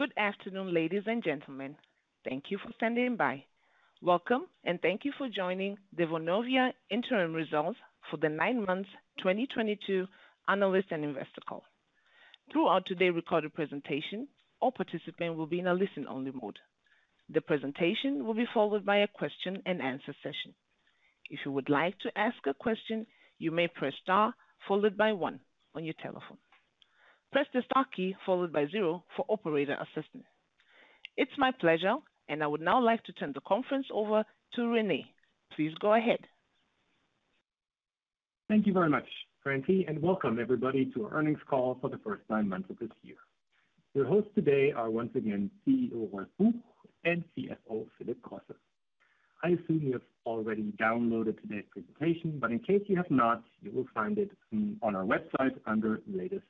Good afternoon, ladies and gentlemen. Thank you for standing by. Welcome, and thank you for joining the Vonovia Interim Results for the nine months 2022 analyst and investor call. Throughout today's recorded presentation, all participants will be in a listen-only mode. The presentation will be followed by a question-and-answer session. If you would like to ask a question, you may press star followed by one on your telephone. Press the star key followed by zero for operator assistance. It's my pleasure, and I would now like to turn the conference over to Rene. Please go ahead. Thank you very much, Frankie, and welcome everybody to earnings call for the first nine months of this year. Your hosts today are once again CEO Rolf Buch and CFO Philip Grosse. I assume you have already downloaded today's presentation, but in case you have not, you will find it on our website under Latest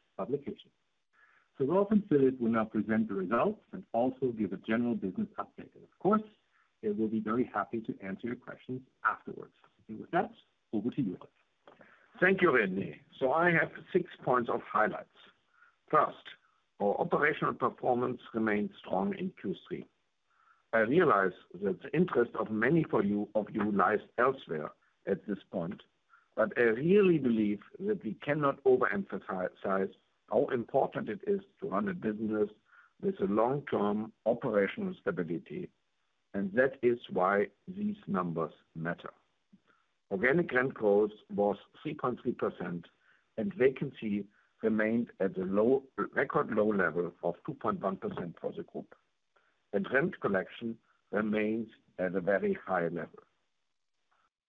Publication. Rolf and Philip will now present the results and also give a general business update. With that, over to you, Rolf. Thank you, Rene. I have six points of highlights. First, our operational performance remained strong in Q3. I realize that the interest of many of you lies elsewhere at this point, but I really believe that we cannot overemphasize how important it is to run a business with a long-term operational stability, and that is why these numbers matter. Organic rent growth was 3.3%, and vacancy remained at a record low level of 2.1% for the group. Rent collection remains at a very high level.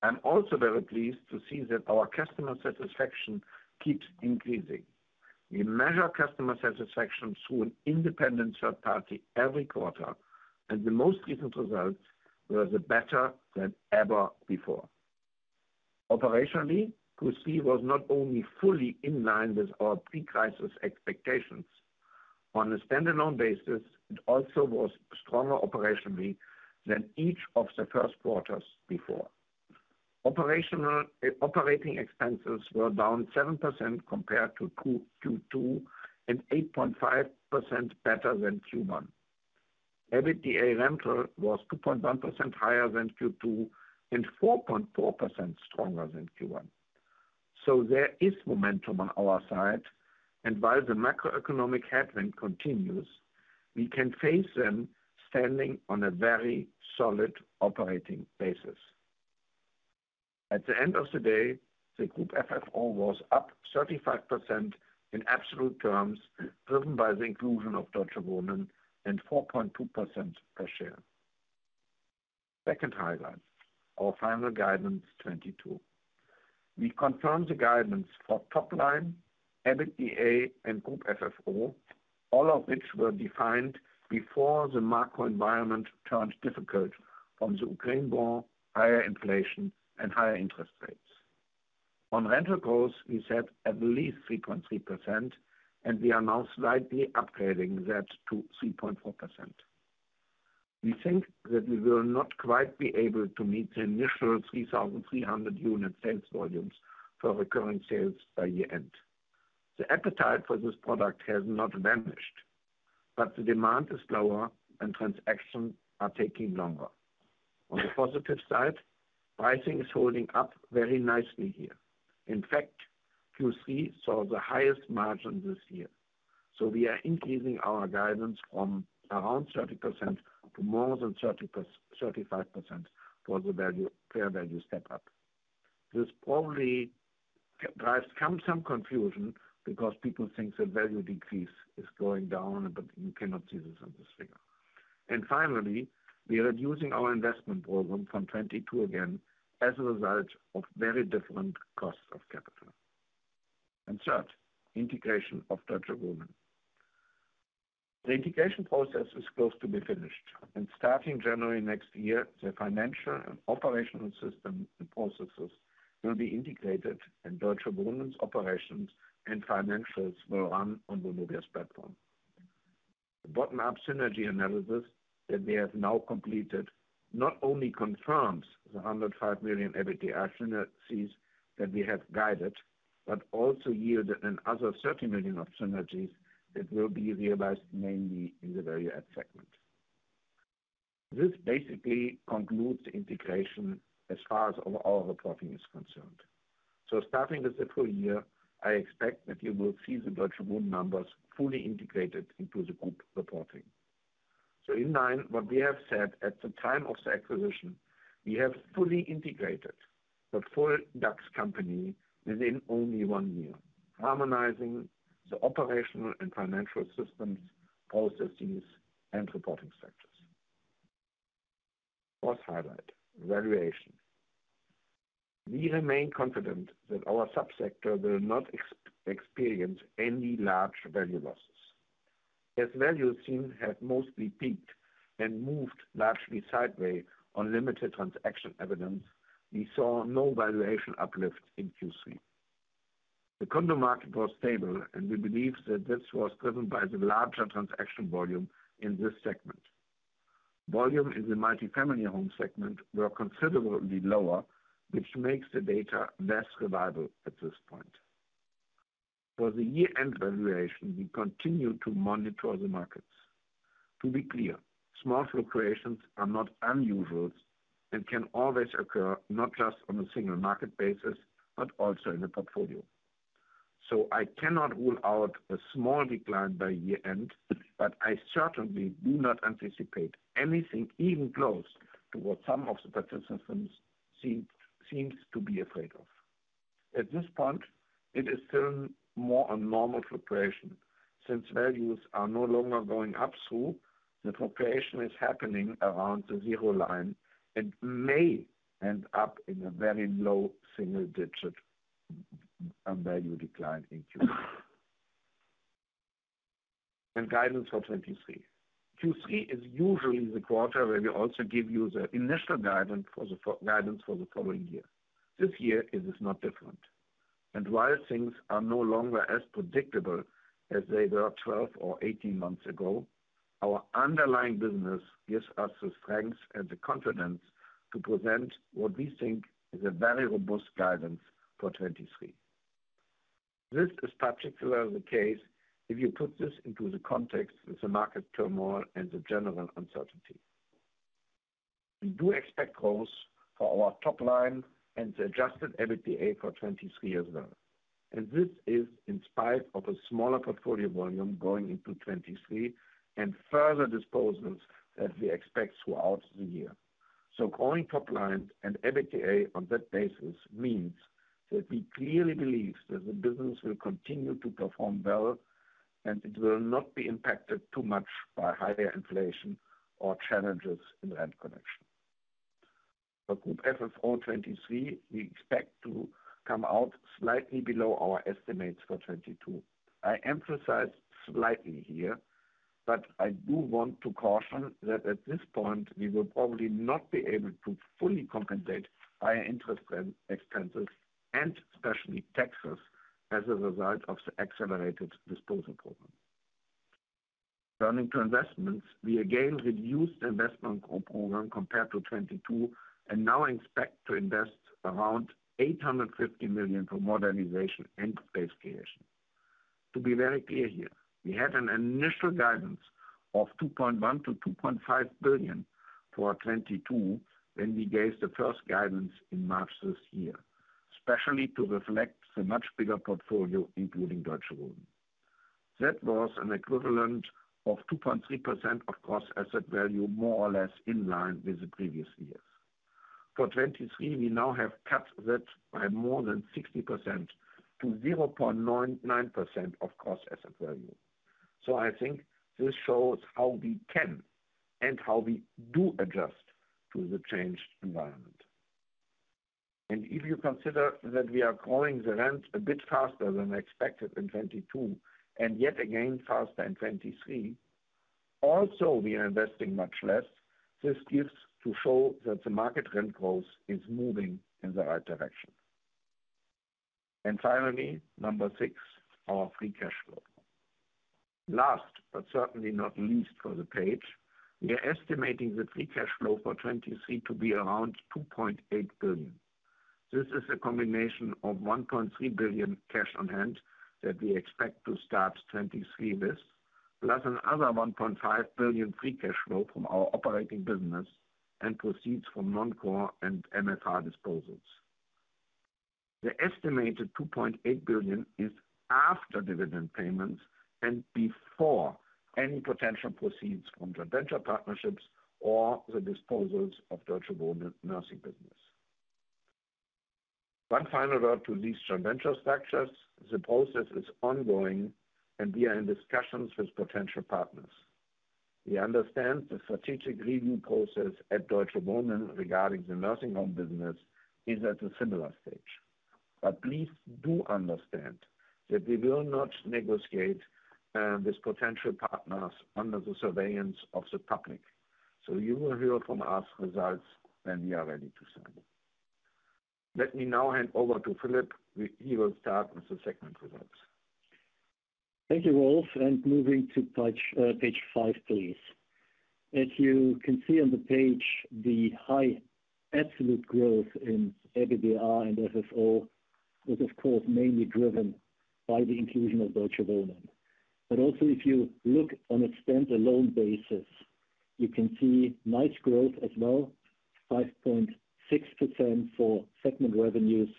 I'm also very pleased to see that our customer satisfaction keeps increasing. We measure customer satisfaction through an independent third party every quarter, and the most recent results were better than ever before. Operationally, Q3 was not only fully in line with our pre-crisis expectations. On a standalone basis, it also was stronger operationally than each of the first quarters before. Operational, operating expenses were down 7% compared to [Q2 22] and 8.5% better than Q1. EBITDA rental was 2.1% higher than Q2 and 4.4% stronger than Q1. There is momentum on our side, and while the macroeconomic headwind continues, we can face them standing on a very solid operating basis. At the end of the day, the group FFO was up 35% in absolute terms, driven by the inclusion of Deutsche Wohnen and 4.2% per share. Second highlight, our final guidance 2022. We confirmed the guidance for top line EBITDA and group FFO, all of which were defined before the macro environment turned difficult on the Ukraine war, higher inflation, and higher interest rates. On rental growth, we said at least 3.3%, and we are now slightly upgrading that to 3.4%. We think that we will not quite be able to meet the initial 3,300-unit sales volumes for recurring sales by year-end. The appetite for this product has not vanished, but the demand is lower and transactions are taking longer. On the positive side, pricing is holding up very nicely here. In fact, Q3 saw the highest margin this year. We are increasing our guidance from around 30% to more than 35% for the Value-Add fair value step-up. This probably drives some confusion because people think the Value-Add decrease is going down, but you cannot see this on this figure. Finally, we are reducing our investment program from 22 again as a result of very different costs of capital. Third, integration of Deutsche Wohnen. The integration process is close to be finished, and starting January next year, the financial and operational system and processes will be integrated, and Deutsche Wohnen's operations and financials will run on Vonovia's platform. The bottom-up synergy analysis that we have now completed not only confirms the 105 million EBITDA synergies that we have guided but also yield another 30 million of synergies that will be realized mainly in the value-add segment. This basically concludes the integration as far as our reporting is concerned. Starting with the full year, I expect that you will see the Deutsche Wohnen numbers fully integrated into the group reporting. In line, what we have said at the time of the acquisition, we have fully integrated the full DAX company within only one year, harmonizing the operational and financial systems, processes, and reporting structures. Fourth highlight, valuation. We remain confident that our subsector will not experience any large value losses. As valuations had mostly peaked and moved largely sideways on limited transaction evidence, we saw no valuation uplift in Q3. The condo market was stable, and we believe that this was driven by the larger transaction volume in this segment. Volume in the multifamily home segment were considerably lower, which makes the data less reliable at this point. For the year-end valuation, we continue to monitor the markets. To be clear, small fluctuations are not unusual and can always occur, not just on a single market basis, but also in the portfolio. I cannot rule out a small decline by year-end, but I certainly do not anticipate anything even close to what some of the participants seems to be afraid of. At this point, it is still more a normal fluctuation, since values are no longer going up so the fluctuation is happening around the zero line and may end up in a very low single digit value decline in Q4. Guidance for 2023. Q3 is usually the quarter where we also give you the initial guidance for the guidance for the following year. This year it is not different. While things are no longer as predictable as they were 12 or 18 months ago, our underlying business gives us the strength and the confidence to present what we think is a very robust guidance for 2023. This is particularly the case if you put this into the context of the market turmoil and the general uncertainty. We do expect growth for our top line and the adjusted EBITDA for 2023 as well. This is in spite of a smaller portfolio volume going into 2023 and further disposals that we expect throughout the year. Growing top line and EBITDA on that basis means that we clearly believe that the business will continue to perform well and it will not be impacted too much by higher inflation or challenges in the rent collection. For Group FFO 2023, we expect to come out slightly below our estimates for 2022. I emphasize slightly here, but I do want to caution that at this point, we will probably not be able to fully compensate higher interest and expenses and especially taxes as a result of the accelerated disposal program. Turning to investments, we again reduced the investment program compared to 2022 and now expect to invest around 850 million for modernization and space creation. To be very clear here, we had an initial guidance of 2.1 billion-2.5 billion for 2022 when we gave the first guidance in March this year, especially to reflect the much bigger portfolio, including Deutsche Wohnen. That was an equivalent of 2.3% of gross asset value, more or less in line with the previous years. For 2023, we now have cut that by more than 60%-0.99% of gross asset value. I think this shows how we can and how we do adjust to the changed environment. If you consider that we are growing the rent a bit faster than expected in 2022 and yet again faster in 2023. Also we are investing much less. This serves to show that the market rent growth is moving in the right direction. Finally, number six, our free cash flow. Last, but certainly not least for the page, we are estimating the free cash flow for 2023 to be around 2.8 billion. This is a combination of 1.3 billion cash on hand that we expect to start 2023 with, plus another 1.5 billion free cash flow from our operating business and proceeds from non-core and MFR disposals. The estimated 2.8 billion is after dividend payments and before any potential proceeds from joint venture partnerships or the disposals of Deutsche Wohnen nursing business. One final word to these joint venture structures. The process is ongoing and we are in discussions with potential partners. We understand the strategic review process at Deutsche Wohnen regarding the nursing home business is at a similar stage. Please do understand that we will not negotiate with potential partners under the surveillance of the public. You will hear from us results when we are ready to sign. Let me now hand over to Philip. He will start with the segment results. Thank you, Rolf. Moving to page five, please. As you can see on the page, the high absolute growth in EBITDA and FFO was of course mainly driven by the inclusion of Deutsche Wohnen. Also if you look on a stand-alone basis, you can see nice growth as well, 5.6% for segment revenues,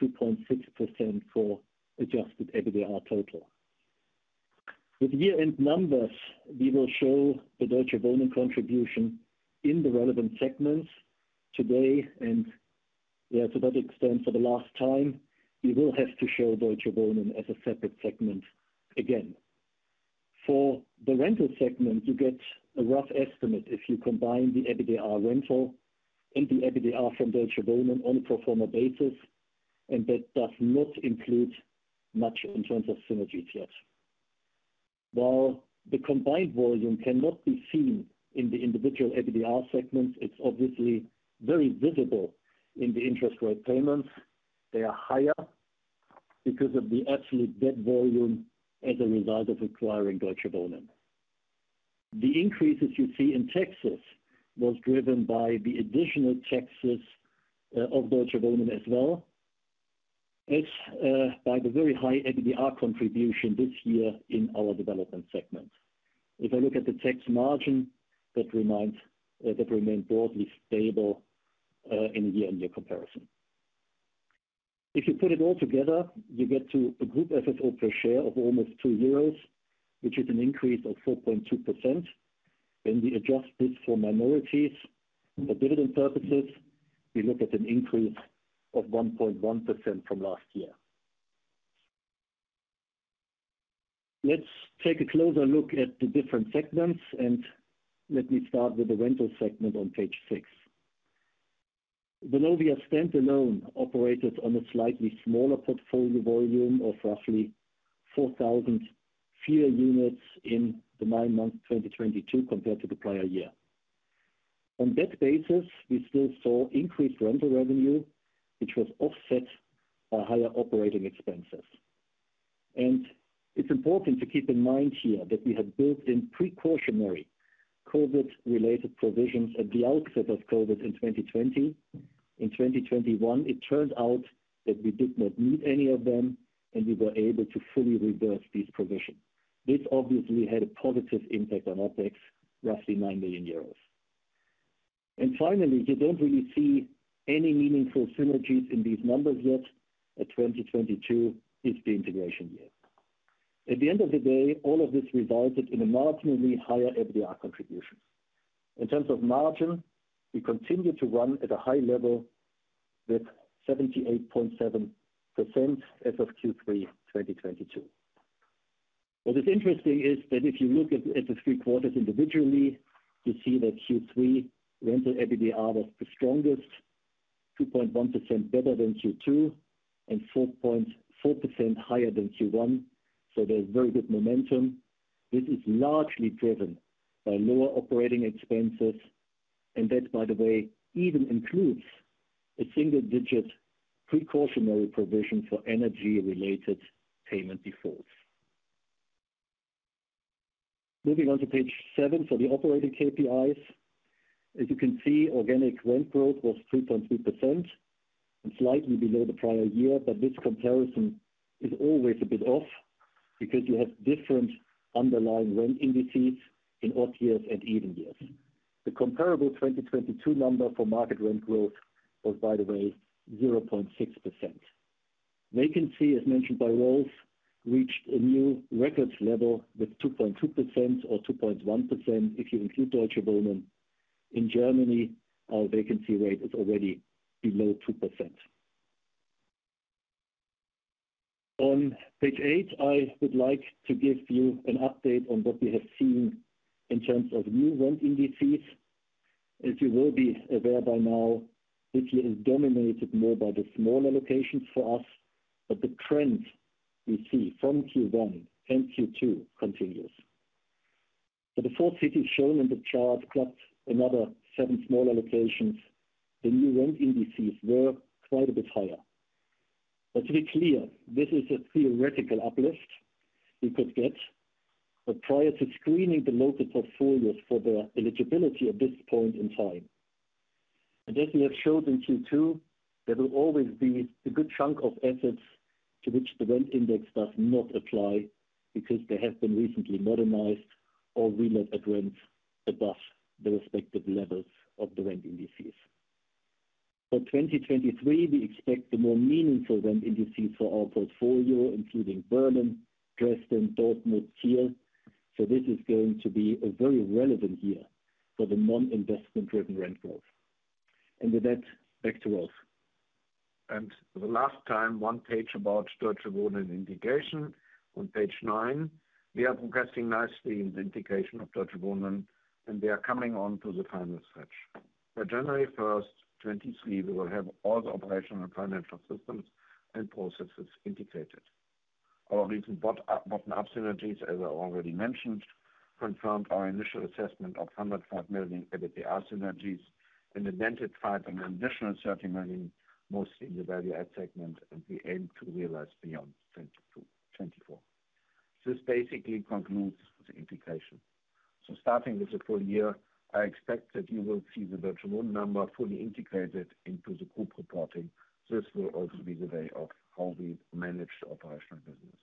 2.6% for adjusted EBITDA total. With year-end numbers, we will show the Deutsche Wohnen contribution in the relevant segments today. Yeah, to that extent, for the last time, we will have to show Deutsche Wohnen as a separate segment again. For the rental segment, you get a rough estimate if you combine the EBITDA rental and the EBITDA from Deutsche Wohnen on a pro forma basis, and that does not include much in terms of synergies yet. While the combined volume cannot be seen in the individual EBITDA segments, it's obviously very visible in the interest rate payments. They are higher because of the absolute debt volume as a result of acquiring Deutsche Wohnen. The increases you see in taxes was driven by the additional taxes of Deutsche Wohnen as well. It's by the very high EBITDA contribution this year in our Development segment. If I look at the tax margin, that remained broadly stable in the year-on-year comparison. If you put it all together, you get to a group FFO per share of almost 2 euros, which is an increase of 4.2%. When we adjust this for minorities for dividend purposes, we look at an increase of 1.1% from last year. Let's take a closer look at the different segments, and let me start with the rental segment on page six. Vonovia stand-alone operated on a slightly smaller portfolio volume of roughly 4,000 fewer units in the nine months 2022 compared to the prior year. On that basis, we still saw increased rental revenue, which was offset by higher operating expenses. It's important to keep in mind here that we had built in precautionary COVID-related provisions at the outset of COVID in 2020. In 2021, it turned out that we did not need any of them, and we were able to fully reverse these provisions. This obviously had a positive impact on OpEx, roughly 9 million euros. Finally, you don't really see any meaningful synergies in these numbers yet, as 2022 is the integration year. At the end of the day, all of this resulted in a marginally higher EBITDA contribution. In terms of margin, we continue to run at a high level with 78.7% as of Q3 2022. What is interesting is that if you look at the three quarters individually, you see that Q3 rental EBITDA was the strongest, 2.1% better than Q2, and 4.4% higher than Q1. There's very good momentum. This is largely driven by lower operating expenses, and that, by the way, even includes a single digit precautionary provision for energy-related payment defaults. Moving on to page seven for the operating KPIs. As you can see, organic rent growth was 3.3% and slightly below the prior year. This comparison is always a bit off because you have different underlying rent indices in odd years and even years. The comparable 2022 number for market rent growth was, by the way, 0.6%. Vacancy, as mentioned by Rolf, reached a new record level with 2.2% or 2.1% if you include Deutsche Wohnen. In Germany, our vacancy rate is already below 2%. On page eight, I would like to give you an update on what we have seen in terms of new rent indices. As you will be aware by now, this year is dominated more by the smaller locations for us. The trend we see from Q1 and Q2 continues. For the four cities shown in the chart, plus another seven smaller locations, the new rent indices were quite a bit higher. To be clear, this is a theoretical uplift we could get. Prior to screening the local portfolios for their eligibility at this point in time. As we have shown in Q2, there will always be a good chunk of assets to which the rent index does not apply because they have been recently modernized or re-let at rents above the respective levels of the rent indices. For 2023, we expect the more meaningful rent indices for our portfolio, including Berlin, Dresden, Dortmund, Kiel. This is going to be a very relevant year for the non-investment driven rent growth. With that, back to Rolf. For the last time, one page about Deutsche Wohnen integration. On page nine, we are progressing nicely in the integration of Deutsche Wohnen, and we are coming on to the final stretch. By January 1st, 2023, we will have all the operational and financial systems and processes integrated. Our recent bottom-up synergies, as I already mentioned, confirmed our initial assessment of 105 million EBITDA synergies and identified an additional 30 million, mostly in the value-add segment, and we aim to realize beyond 2022-2024. This basically concludes the integration. Starting with the full year, I expect that you will see the Deutsche Wohnen number fully integrated into the group reporting. This will also be the way of how we manage the operational business.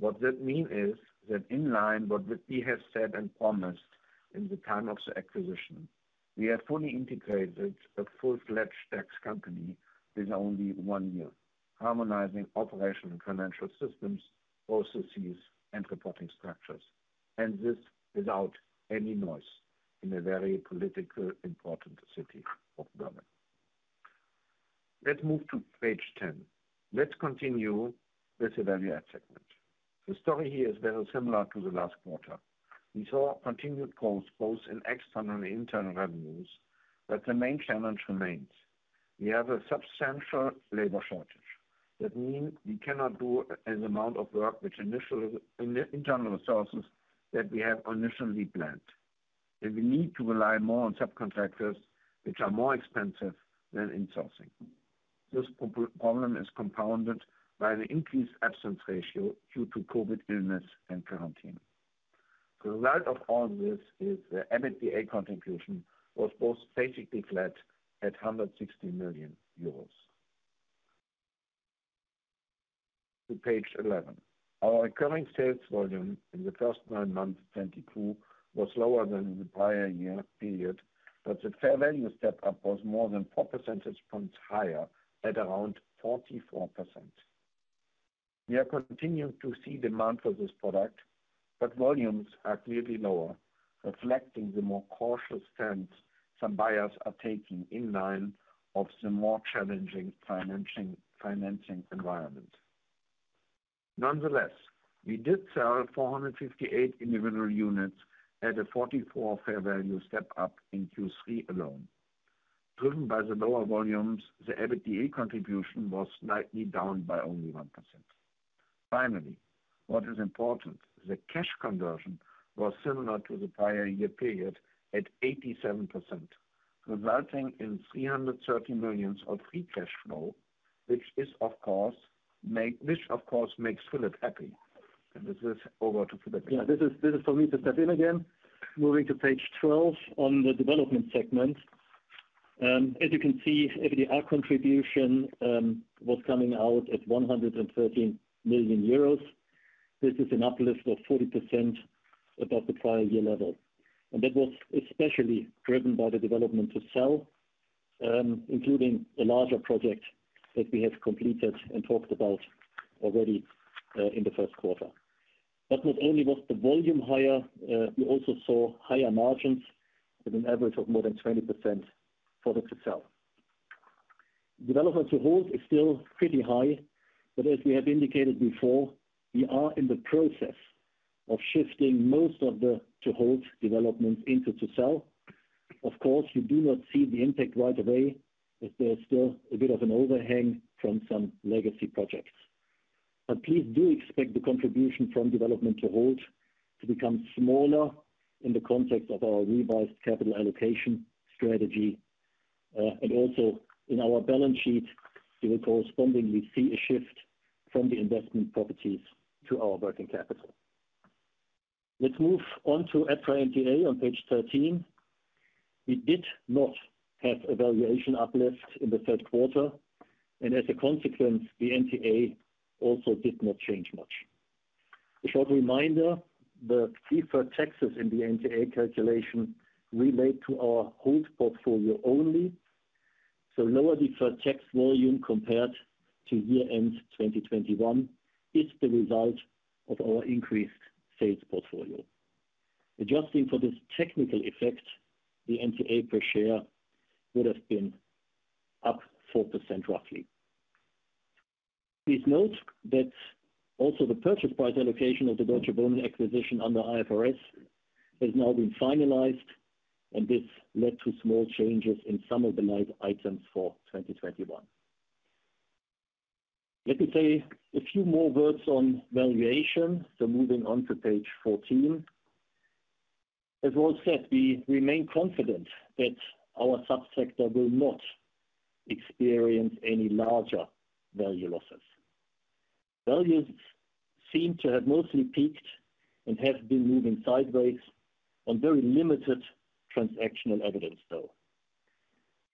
What that means is that in line with what we have said and promised at the time of the acquisition, we have fully integrated a full-fledged Deutsche Wohnen in only one year, harmonizing operational and financial systems, processes, and reporting structures. This without any noise in the very politically important city of Berlin. Let's move to page 10. Let's continue with the Value-add segment. The story here is very similar to the last quarter. We saw continued growth both in external and internal revenues. The main challenge remains: we have a substantial labor shortage. That means we cannot do the amount of work with the internal resources that we initially planned. We need to rely more on subcontractors, which are more expensive than insourcing. This problem is compounded by the increased absence ratio due to COVID illness and quarantine. The result of all this is the EBITDA contribution was both basically flat at 160 million euros. To page 11. Our recurring sales volume in the first nine months 2022 was lower than in the prior year period, but the fair value step-up was more than four percentage points higher at around 44%. We are continuing to see demand for this product, but volumes are clearly lower, reflecting the more cautious stance some buyers are taking in line with the more challenging financing environment. Nonetheless, we did sell 458 individual units at a 44 fair value step-up in Q3 alone. Driven by the lower volumes, the EBITDA contribution was slightly down by only 1%. Finally, what is important, the cash conversion was similar to the prior year period at 87%, resulting in 330 million of free cash flow, which of course makes Philip happy. With this, over to Philip. Yeah, this is for me to step in again. Moving to page 12 on the development segment. As you can see, EBITDA contribution was coming out at 113 million euros. This is an uplift of 40% above the prior year level. That was especially driven by the development to sell, including a larger project that we have completed and talked about already in the first quarter. Not only was the volume higher, we also saw higher margins with an average of more than 20% for the to sell. Development to hold is still pretty high, but as we have indicated before, we are in the process of shifting most of the to hold developments into to sell. Of course, you do not see the impact right away as there's still a bit of an overhang from some legacy projects. Please do expect the contribution from development to hold to become smaller in the context of our revised capital allocation strategy. Also in our balance sheet, you will correspondingly see a shift from the investment properties to our working capital. Let's move on to our prior NTA on page 13. We did not have a valuation uplift in the third quarter, and as a consequence, the NTA also did not change much. A short reminder, the deferred taxes in the NTA calculation relate to our hold portfolio only. Lower deferred tax volume compared to year-end 2021 is the result of our increased sales portfolio. Adjusting for this technical effect, the NTA per share would have been up 4% roughly. Please note that also the purchase price allocation of the Deutsche Wohnen acquisition under IFRS has now been finalized, and this led to small changes in some of the line items for 2021. Let me say a few more words on valuation, moving on to page 14. As Rolf said, we remain confident that our subsector will not experience any larger value losses. Values seem to have mostly peaked and have been moving sideways on very limited transactional evidence, though.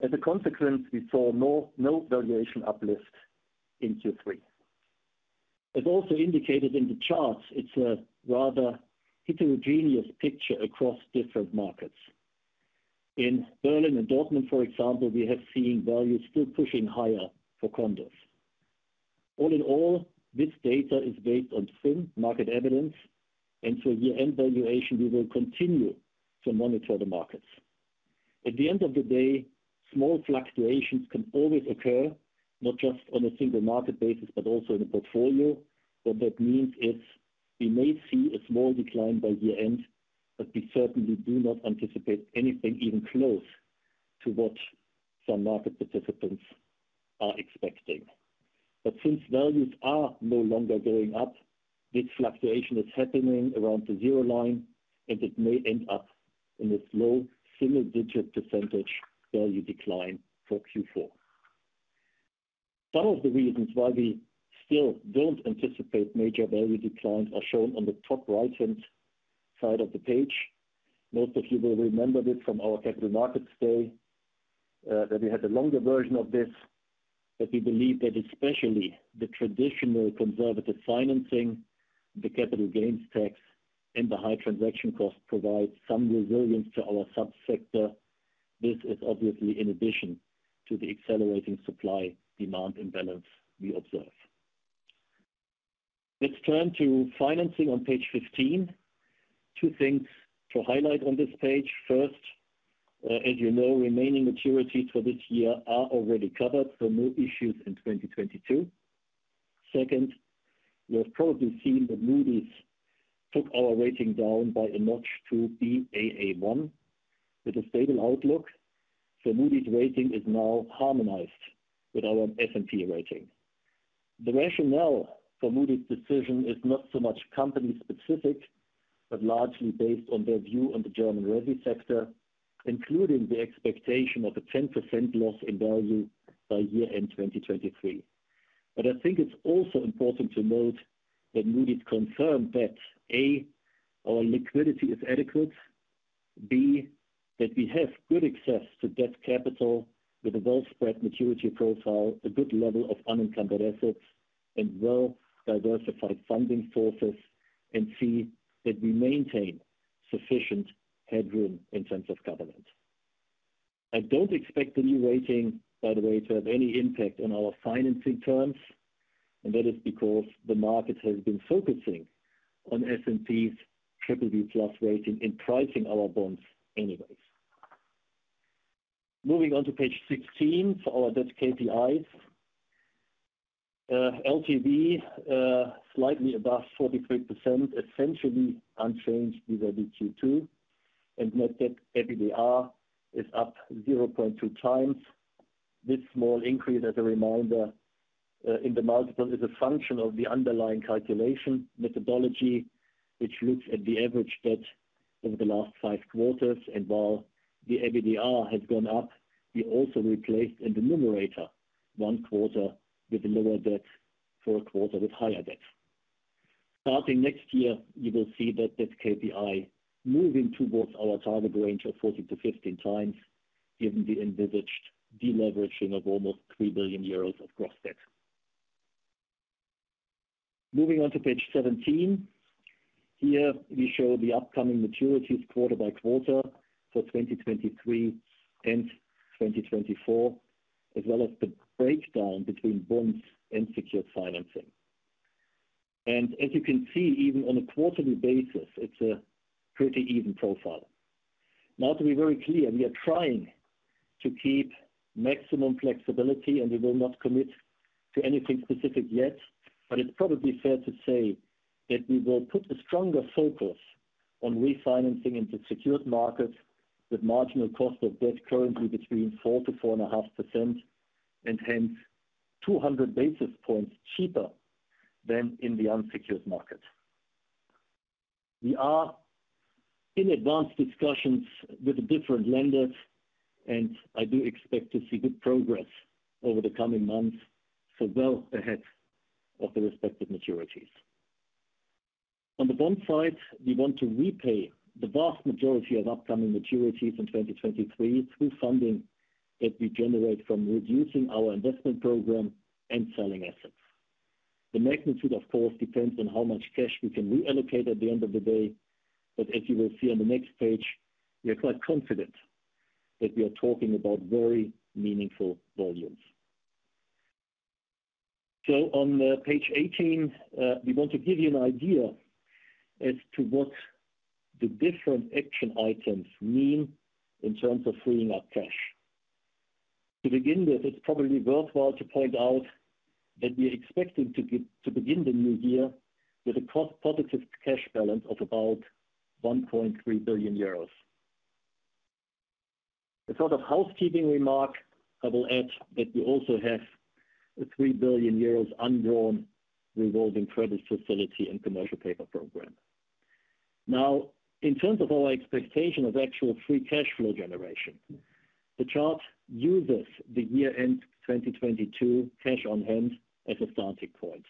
As a consequence, we saw no valuation uplift in Q3. As also indicated in the charts, it's a rather heterogeneous picture across different markets. In Berlin and Dortmund, for example, we have seen values still pushing higher for condos. All in all, this data is based on thin market evidence. Year-end valuation, we will continue to monitor the markets. At the end of the day, small fluctuations can always occur, not just on a single market basis but also in a portfolio. What that means is we may see a small decline by year-end, but we certainly do not anticipate anything even close to what some market participants are expecting. Since values are no longer going up, this fluctuation is happening around the zero line, and it may end up in a slow single digit percentage value decline for Q4. Some of the reasons why we still don't anticipate major value declines are shown on the top right-hand side of the page. Most of you will remember this from our capital markets day, that we had a longer version of this, that we believe that especially the traditional conservative financing, the capital gains tax, and the high transaction costs provide some resilience to our subsector. This is obviously in addition to the accelerating supply-demand imbalance we observe. Let's turn to financing on page 15. Two things to highlight on this page. First, as you know, remaining maturities for this year are already covered, so no issues in 2022. Second, you have probably seen that Moody's took our rating down by a notch to Baa1 with a stable outlook. Moody's rating is now harmonized with our S&P rating. The rationale for Moody's decision is not so much company specific, but largely based on their view on the German resi sector, including the expectation of a 10% loss in value by year end 2023. I think it's also important to note that Moody's confirmed that, A, our liquidity is adequate, B, that we have good access to debt capital with a well spread maturity profile, a good level of unencumbered assets, and well diversified funding sources, and C, that we maintain sufficient headroom in terms of covenant. I don't expect the new rating, by the way, to have any impact on our financing terms, and that is because the market has been focusing on S&P's BBB+ rating in pricing our bonds anyways. Moving on to page 16 for our debt KPIs. LTV, slightly above 43%, essentially unchanged vis-à-vis Q2, and net debt EBITDA is up 0.2x. This small increase as a reminder, in the multiple is a function of the underlying calculation methodology, which looks at the average debt over the last 5 quarters. While the EBITDA has gone up, we also replaced in the numerator one quarter with a lower debt for a quarter with higher debt. Starting next year, you will see that this KPI moving towards our target range of 14x-15x, given the envisaged de-leveraging of almost 3 billion euros of gross debt. Moving on to page 17. Here we show the upcoming maturities quarter by quarter for 2023 and 2024, as well as the breakdown between bonds and secured financing. As you can see, even on a quarterly basis, it's a pretty even profile. Now to be very clear, we are trying to keep maximum flexibility and we will not commit to anything specific yet. It's probably fair to say that we will put a stronger focus on refinancing into secured markets with marginal cost of debt currently between 4%-4.5%, and hence 200 basis points cheaper than in the unsecured market. We are in advanced discussions with different lenders, and I do expect to see good progress over the coming months, so well ahead of the respective maturities. On the bond side, we want to repay the vast majority of upcoming maturities in 2023 through funding that we generate from reducing our investment program and selling assets. The magnitude, of course, depends on how much cash we can reallocate at the end of the day, but as you will see on the next page, we are quite confident that we are talking about very meaningful volumes. On page 18, we want to give you an idea as to what the different action items mean in terms of freeing up cash. To begin with, it's probably worthwhile to point out that we are expecting to begin the new year with a cash-positive cash balance of about 1.3 billion euros. A sort of housekeeping remark, I will add that we also have a 3 billion euros undrawn revolving credit facility and commercial paper program. Now, in terms of our expectation of actual free cash flow generation, the chart uses the year-end 2022 cash on hand as a starting point.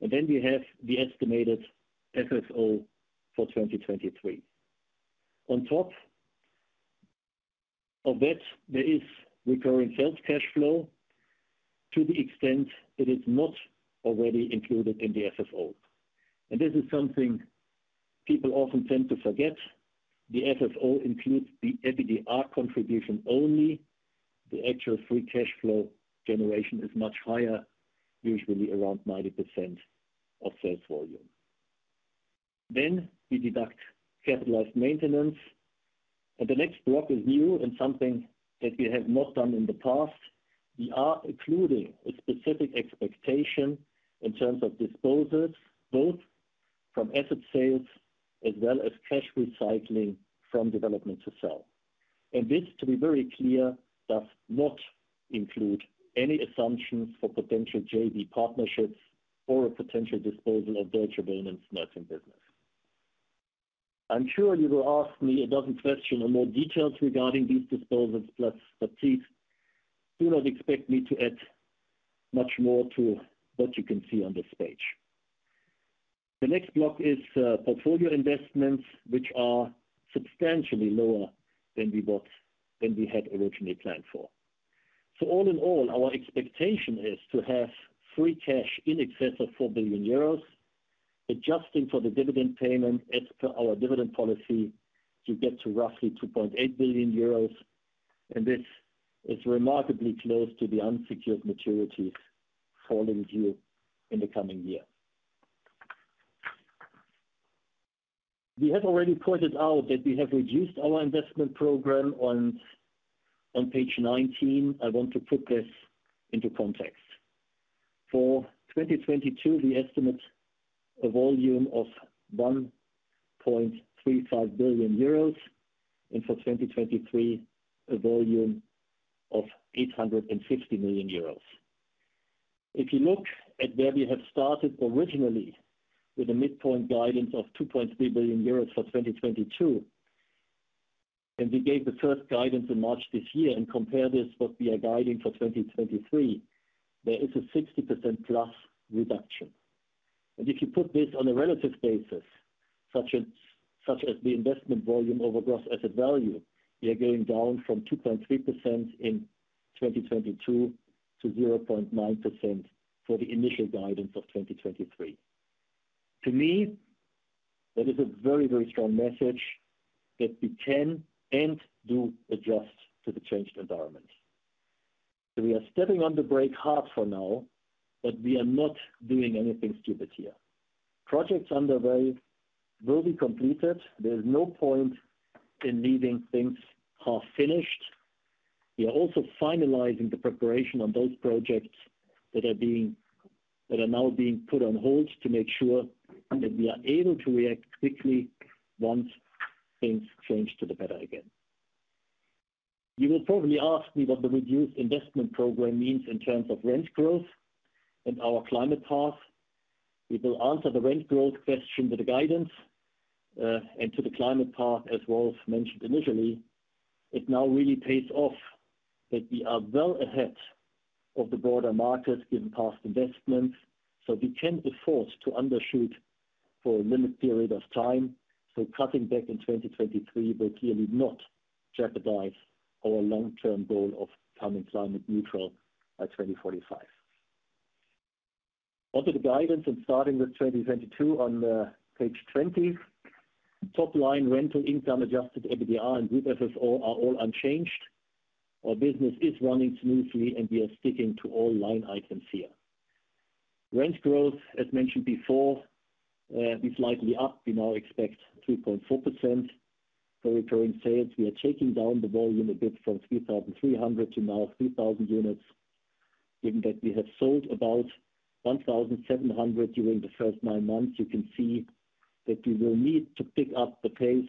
We have the estimated FFO for 2023. On top of that, there is recurring sales cash flow to the extent it is not already included in the FFO. This is something people often tend to forget. The FFO includes the EBITDA contribution only. The actual free cash flow generation is much higher, usually around 90% of sales volume. We deduct capitalized maintenance. The next block is new and something that we have not done in the past. We are including a specific expectation in terms of disposals, both from asset sales as well as cash recycling from development to sell. This, to be very clear, does not include any assumptions for potential JV partnerships or a potential disposal of Deutsche Wohnen's nursing business. I'm sure you will ask me a dozen questions or more details regarding these disposals, but please do not expect me to add much more to what you can see on this page. The next block is portfolio investments, which are substantially lower than we had originally planned for. All in all, our expectation is to have free cash in excess of 4 billion euros, adjusting for the dividend payment as per our dividend policy to get to roughly 2.8 billion euros. This is remarkably close to the unsecured maturities falling due in the coming year. We have already pointed out that we have reduced our investment program on page 19. I want to put this into context. For 2022, we estimate a volume of 1.35 billion euros, and for 2023, a volume of 850 million euros. If you look at where we have started originally, with a midpoint guidance of 2.3 billion euros for 2022, we gave the first guidance in March this year and compare this to what we are guiding for 2023, there is a 60%+ reduction. If you put this on a relative basis, such as the investment volume over gross asset value, we are going down from 2.3% in 2022 to 0.9% for the initial guidance of 2023. To me, that is a very, very strong message that we can and do adjust to the changed environment. We are stepping on the brake hard for now, but we are not doing anything stupid here. Projects underway will be completed. There's no point in leaving things half-finished. We are also finalizing the preparation on those projects that are now being put on hold to make sure that we are able to react quickly once things change to the better again. You will probably ask me what the reduced investment program means in terms of rent growth and our climate path. We will answer the rent growth question with the guidance, and to the climate path, as Rolf mentioned initially, it now really pays off that we are well ahead of the broader market in past investments, so we can afford to undershoot for a limited period of time. Cutting back in 2023 will clearly not jeopardize our long-term goal of becoming climate neutral by 2045. On to the guidance and starting with 2022 on page 20. Top line rental income adjusted EBITDA and group FFO are all unchanged. Our business is running smoothly, and we are sticking to all line items here. Rent growth, as mentioned before, be slightly up. We now expect 3.4% for Recurring Sales. We are taking down the volume a bit from 3,300 to now 3,000 units. Given that we have sold about 1,700 during the first nine months, you can see that we will need to pick up the pace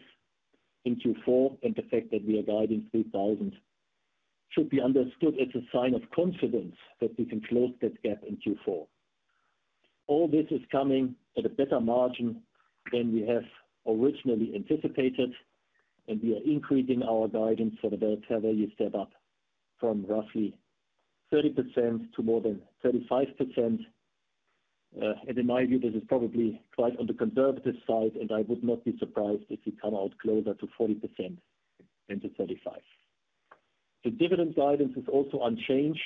in Q4, and the fact that we are guiding 3,000 should be understood as a sign of confidence that we can close that gap in Q4. All this is coming at a better margin than we have originally anticipated, and we are increasing our guidance for the value step up from roughly 30% to more than 35%. In my view, this is probably quite on the conservative side, and I would not be surprised if we come out closer to 40% than to 35. The dividend guidance is also unchanged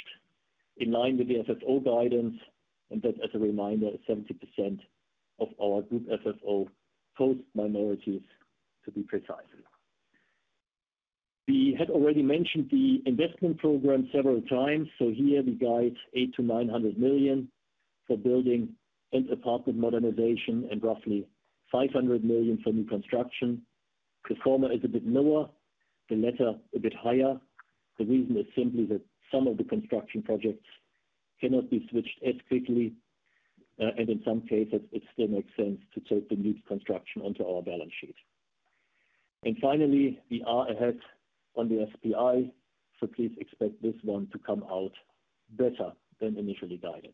in line with the FFO guidance, and that, as a reminder, is 70% of our group FFO post minorities, to be precise. We had already mentioned the investment program several times. Here we guide 800-900 million for building and apartment modernization and roughly 500 million for new construction. The former is a bit lower, the latter a bit higher. The reason is simply that some of the construction projects cannot be switched as quickly, and in some cases, it still makes sense to take the new construction onto our balance sheet. Finally, we are ahead on the SPI. Please expect this one to come out better than initially guided.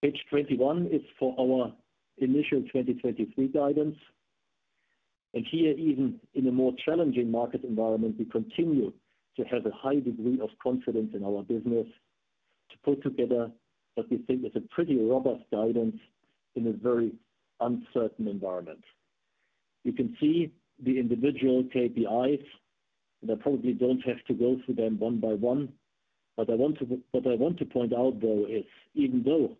Page 21 is for our initial 2023 guidance, and here, even in a more challenging market environment, we continue to have a high degree of confidence in our business to put together what we think is a pretty robust guidance in a very uncertain environment. You can see the individual KPIs, and I probably don't have to go through them one by one. What I want to point out, though, is even though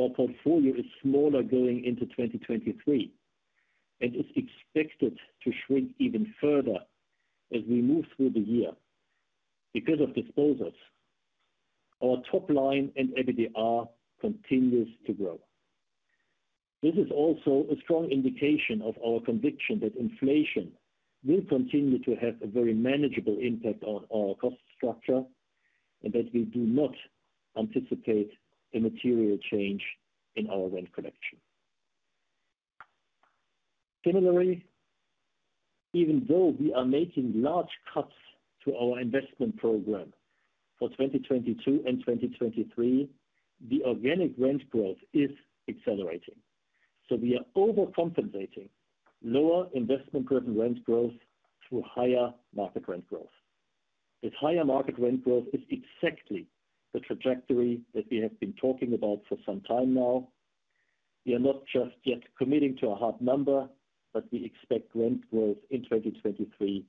our portfolio is smaller going into 2023, and is expected to shrink even further as we move through the year because of disposals, our top line and EBITDA continues to grow. This is also a strong indication of our conviction that inflation will continue to have a very manageable impact on our cost structure and that we do not anticipate a material change in our rent collection. Similarly, even though we are making large cuts to our investment program for 2022 and 2023, the organic rent growth is accelerating. We are overcompensating lower investment-driven rent growth through higher market rent growth. This higher market rent growth is exactly the trajectory that we have been talking about for some time now. We are not just yet committing to a hard number, but we expect rent growth in 2023 to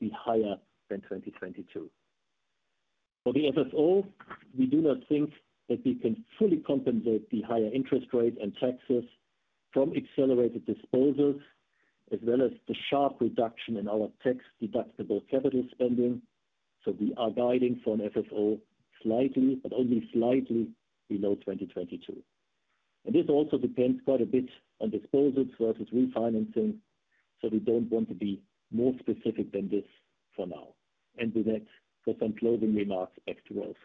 be higher than 2022. For the FFO, we do not think that we can fully compensate the higher interest rate and taxes from accelerated disposals, as well as the sharp reduction in our tax-deductible capital spending. We are guiding for an FFO slightly, but only slightly below 2022. This also depends quite a bit on disposals versus refinancing. We don't want to be more specific than this for now. With that, with some closing remarks back to Rolf.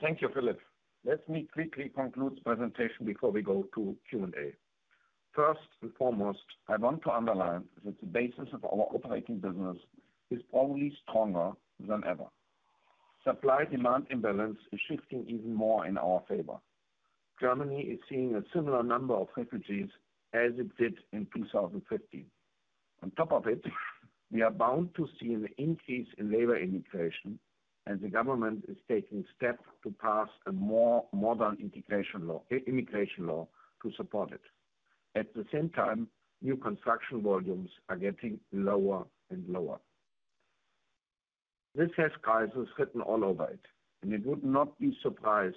Thank you, Philip. Let me quickly conclude the presentation before we go to Q&A. First and foremost, I want to underline that the basis of our operating business is probably stronger than ever. Supply-demand imbalance is shifting even more in our favor. Germany is seeing a similar number of refugees as it did in 2015. On top of it, we are bound to see an increase in labor immigration, and the government is taking steps to pass a more modern immigration law to support it. At the same time, new construction volumes are getting lower and lower. This has crisis written all over it, and I would not be surprised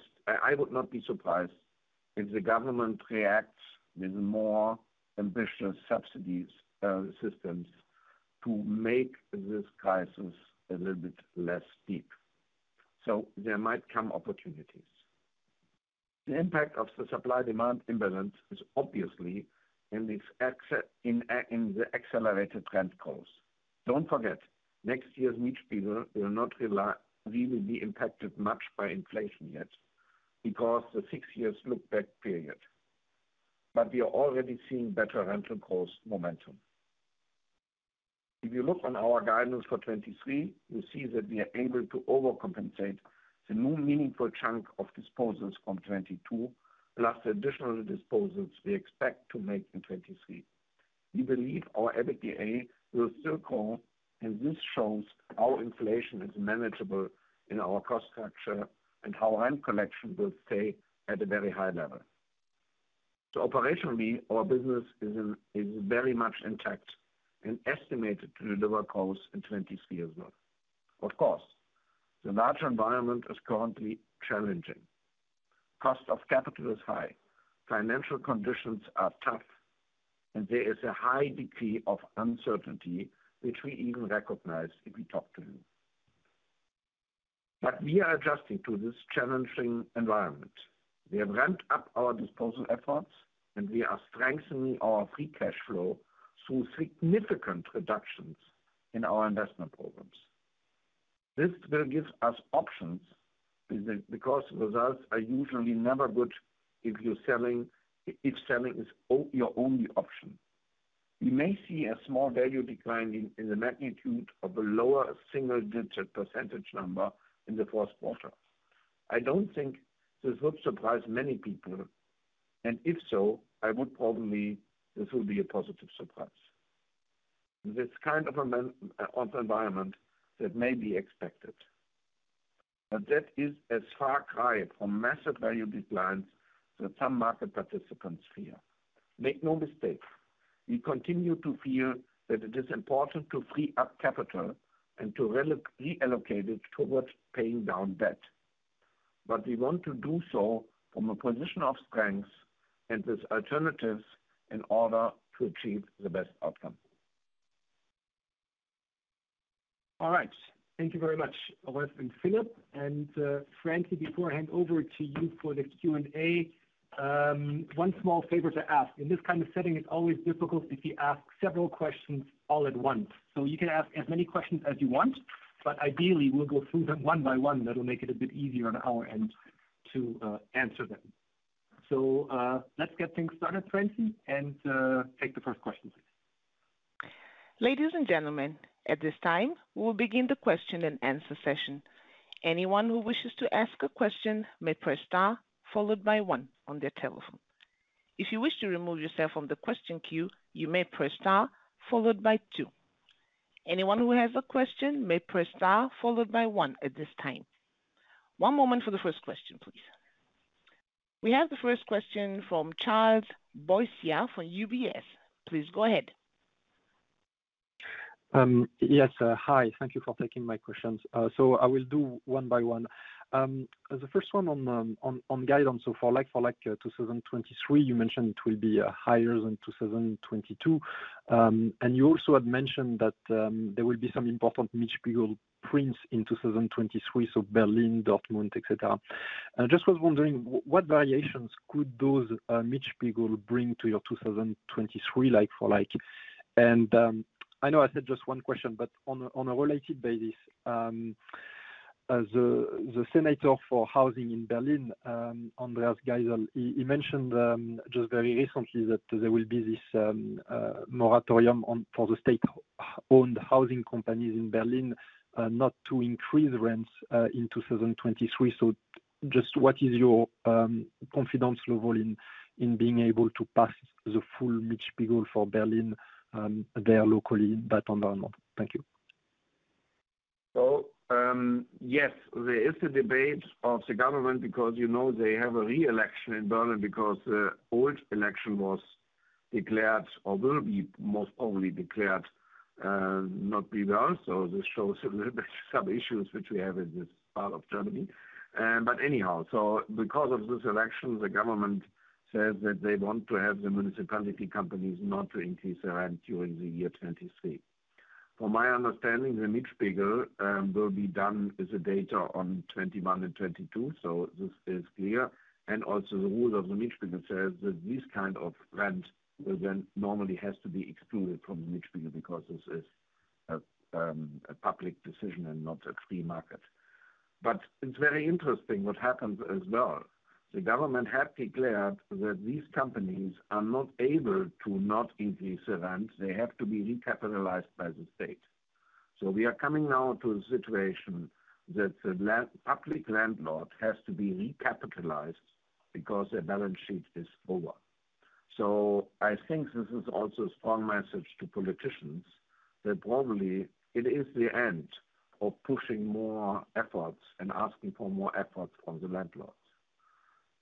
if the government reacts with more ambitious subsidies, systems to make this crisis a little bit less steep. There might come opportunities. The impact of the supply-demand imbalance is obviously in the accelerated rent growth. Don't forget, next year's Mietspiegel will not really be impacted much by inflation yet because the six-year lookback period. We are already seeing better rental cost momentum. If you look at our guidance for 2023, you see that we are able to overcompensate the new meaningful chunk of disposals from 2022, plus the additional disposals we expect to make in 2023. We believe our EBITDA will still grow, and this shows our inflation is manageable in our cost structure and our rent collection will stay at a very high level. Operationally, our business is very much intact and estimated to deliver growth in 2023 as well. Of course, the larger environment is currently challenging. Cost of capital is high, financial conditions are tough, and there is a high degree of uncertainty which we even recognize if we talk to you. We are adjusting to this challenging environment. We have ramped up our disposal efforts, and we are strengthening our free cash flow through significant reductions in our investment programs. This will give us options because results are usually never good if you're selling, if selling is your only option. We may see a small value decline in the magnitude of a lower single-digit % in the first quarter. I don't think this would surprise many people, and if so, this will be a positive surprise. This kind of an environment that may be expected. That is a far cry from massive value declines that some market participants fear. Make no mistake, we continue to feel that it is important to free up capital and to reallocate it towards paying down debt. We want to do so from a position of strength and with alternatives in order to achieve the best outcome. All right. Thank you very much, Rolf and Philip. Rene, before I hand over to you for the Q&A, one small favor to ask. In this kind of setting, it's always difficult if you ask several questions all at once. You can ask as many questions as you want, but ideally, we'll go through them one by one. That'll make it a bit easier on our end to answer them. Let's get things started, Rene, and take the first question, please. Ladies and gentlemen, at this time, we'll begin the question and answer session. Anyone who wishes to ask a question may press star followed by one on their telephone. If you wish to remove yourself from the question queue, you may press star followed by two. Anyone who has a question may press star followed by one at this time. One moment for the first question, please. We have the first question from Charles Boissier for UBS. Please go ahead. Yes. Hi. Thank you for taking my questions. I will do one by one. The first one on guidance. For like-for-like 2023, you mentioned it will be higher than 2022. You also had mentioned that there will be some important Mietspiegel prints in 2023, so Berlin, Dortmund, et cetera. I just was wondering what variations could those Mietspiegel bring to your 2023 like-for-like? I know I said just one question, but on a related basis, the Senator for Housing in Berlin, Andreas Geisel, he mentioned just very recently that there will be this moratorium on, for the state-owned housing companies in Berlin, not to increase rents in 2023. Just what is your confidence level in being able to pass the full Mietspiegel for Berlin in that local environment? Thank you. Yes, there is the debate of the government because, you know, they have a re-election in Berlin because the old election was declared or will be most probably declared not valid. This shows a little bit some issues which we have in this part of Germany. Anyhow, because of this election, the government says that they want to have the municipality companies not to increase the rent during the year 2023. From my understanding, the Mietspiegel will be based on data from 2021 and 2022, so this is clear. Also the rule of the Mietspiegel says that this kind of rent will then normally has to be excluded from the Mietspiegel because this is a public decision and not a free market. It's very interesting what happened as well. The government had declared that these companies are not able to not increase the rent, they have to be recapitalized by the state. We are coming now to a situation that the public landlord has to be recapitalized because their balance sheet is over. I think this is also a strong message to politicians that probably it is the end of pushing more efforts and asking for more efforts from the landlords.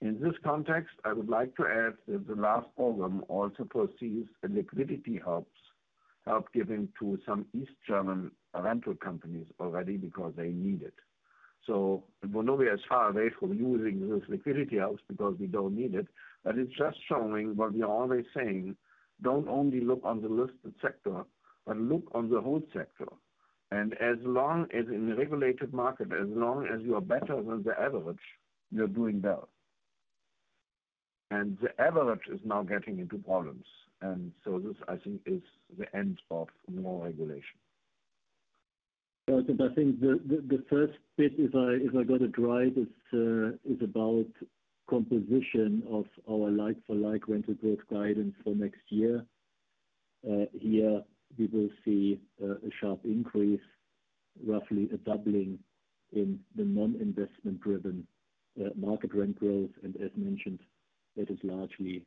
In this context, I would like to add that the last program also provides a liquidity help given to some East German rental companies already because they need it. Vonovia is far away from using those liquidity helps because we don't need it. It's just showing what we are always saying, don't only look on the listed sector, but look on the whole sector. As long as in a regulated market, as long as you are better than the average, you're doing well. The average is now getting into problems. This, I think, is the end of more regulation. I think the first bit, if I got it right, is about composition of our like-for-like rental growth guidance for next year. Here we will see a sharp increase, roughly a doubling in the non-investment driven market rent growth. As mentioned, it is largely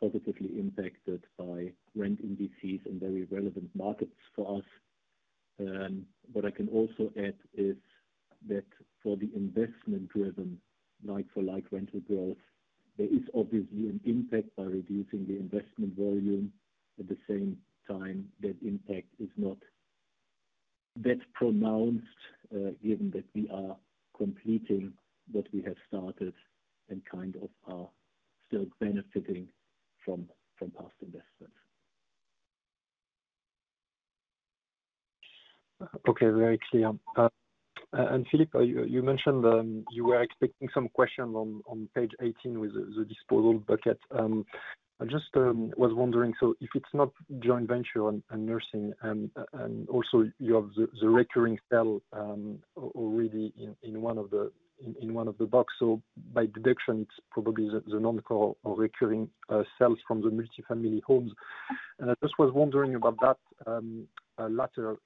positively impacted by rent indices in very relevant markets for us. What I can also add is that for the investment driven like-for-like rental growth, there is obviously an impact by reducing the investment volume. At the same time, that impact is not that pronounced, given that we are completing what we have started and kind of are still benefiting from past investments. Okay. Very clear. Philip, you mentioned you were expecting some questions on page 18 with the disposal bucket. I just was wondering, if it's not joint venture and nursing and also you have the recurring sale already in one of the boxes. By deduction it's probably the non-core recurring sales from the multi-family homes. I just was wondering about that latter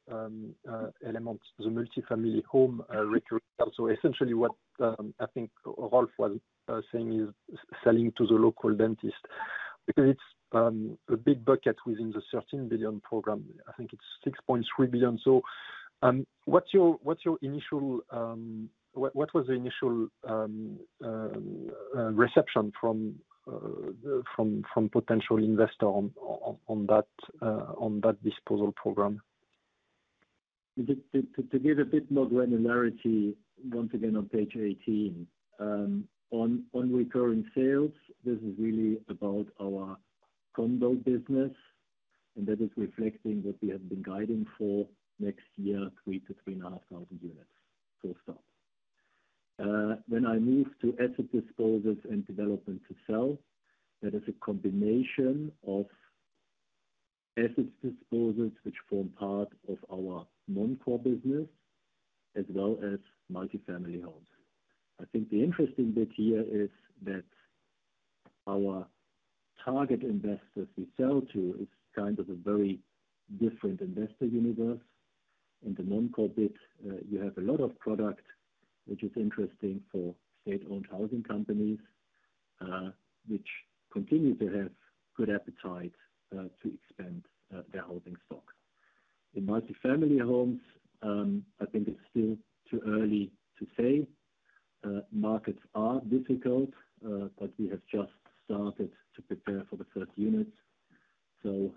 element, the multi-family home recurring sale. Essentially what I think Rolf was saying is selling to the local tenants because it's a big bucket within the 13 billion program. I think it's 6.3 billion. What's your initial. What was the initial reception from potential investor on that disposal program? To give a bit more granularity once again on page 18. On recurring sales, this is really about our condo business, and that is reflecting what we have been guiding for next year, 3,000-3,500 units. When I move to asset disposals and development to sell, that is a combination of asset disposals which form part of our non-core business as well as multi-family homes. I think the interesting bit here is that our target investors we sell to is kind of a very different investor universe. In the non-core bit, you have a lot of product which is interesting for state-owned housing companies, which continue to have good appetite to expand their housing stock. In multi-family homes, I think it's still too early to say. Markets are difficult, but we have just started to prepare for the first units. There is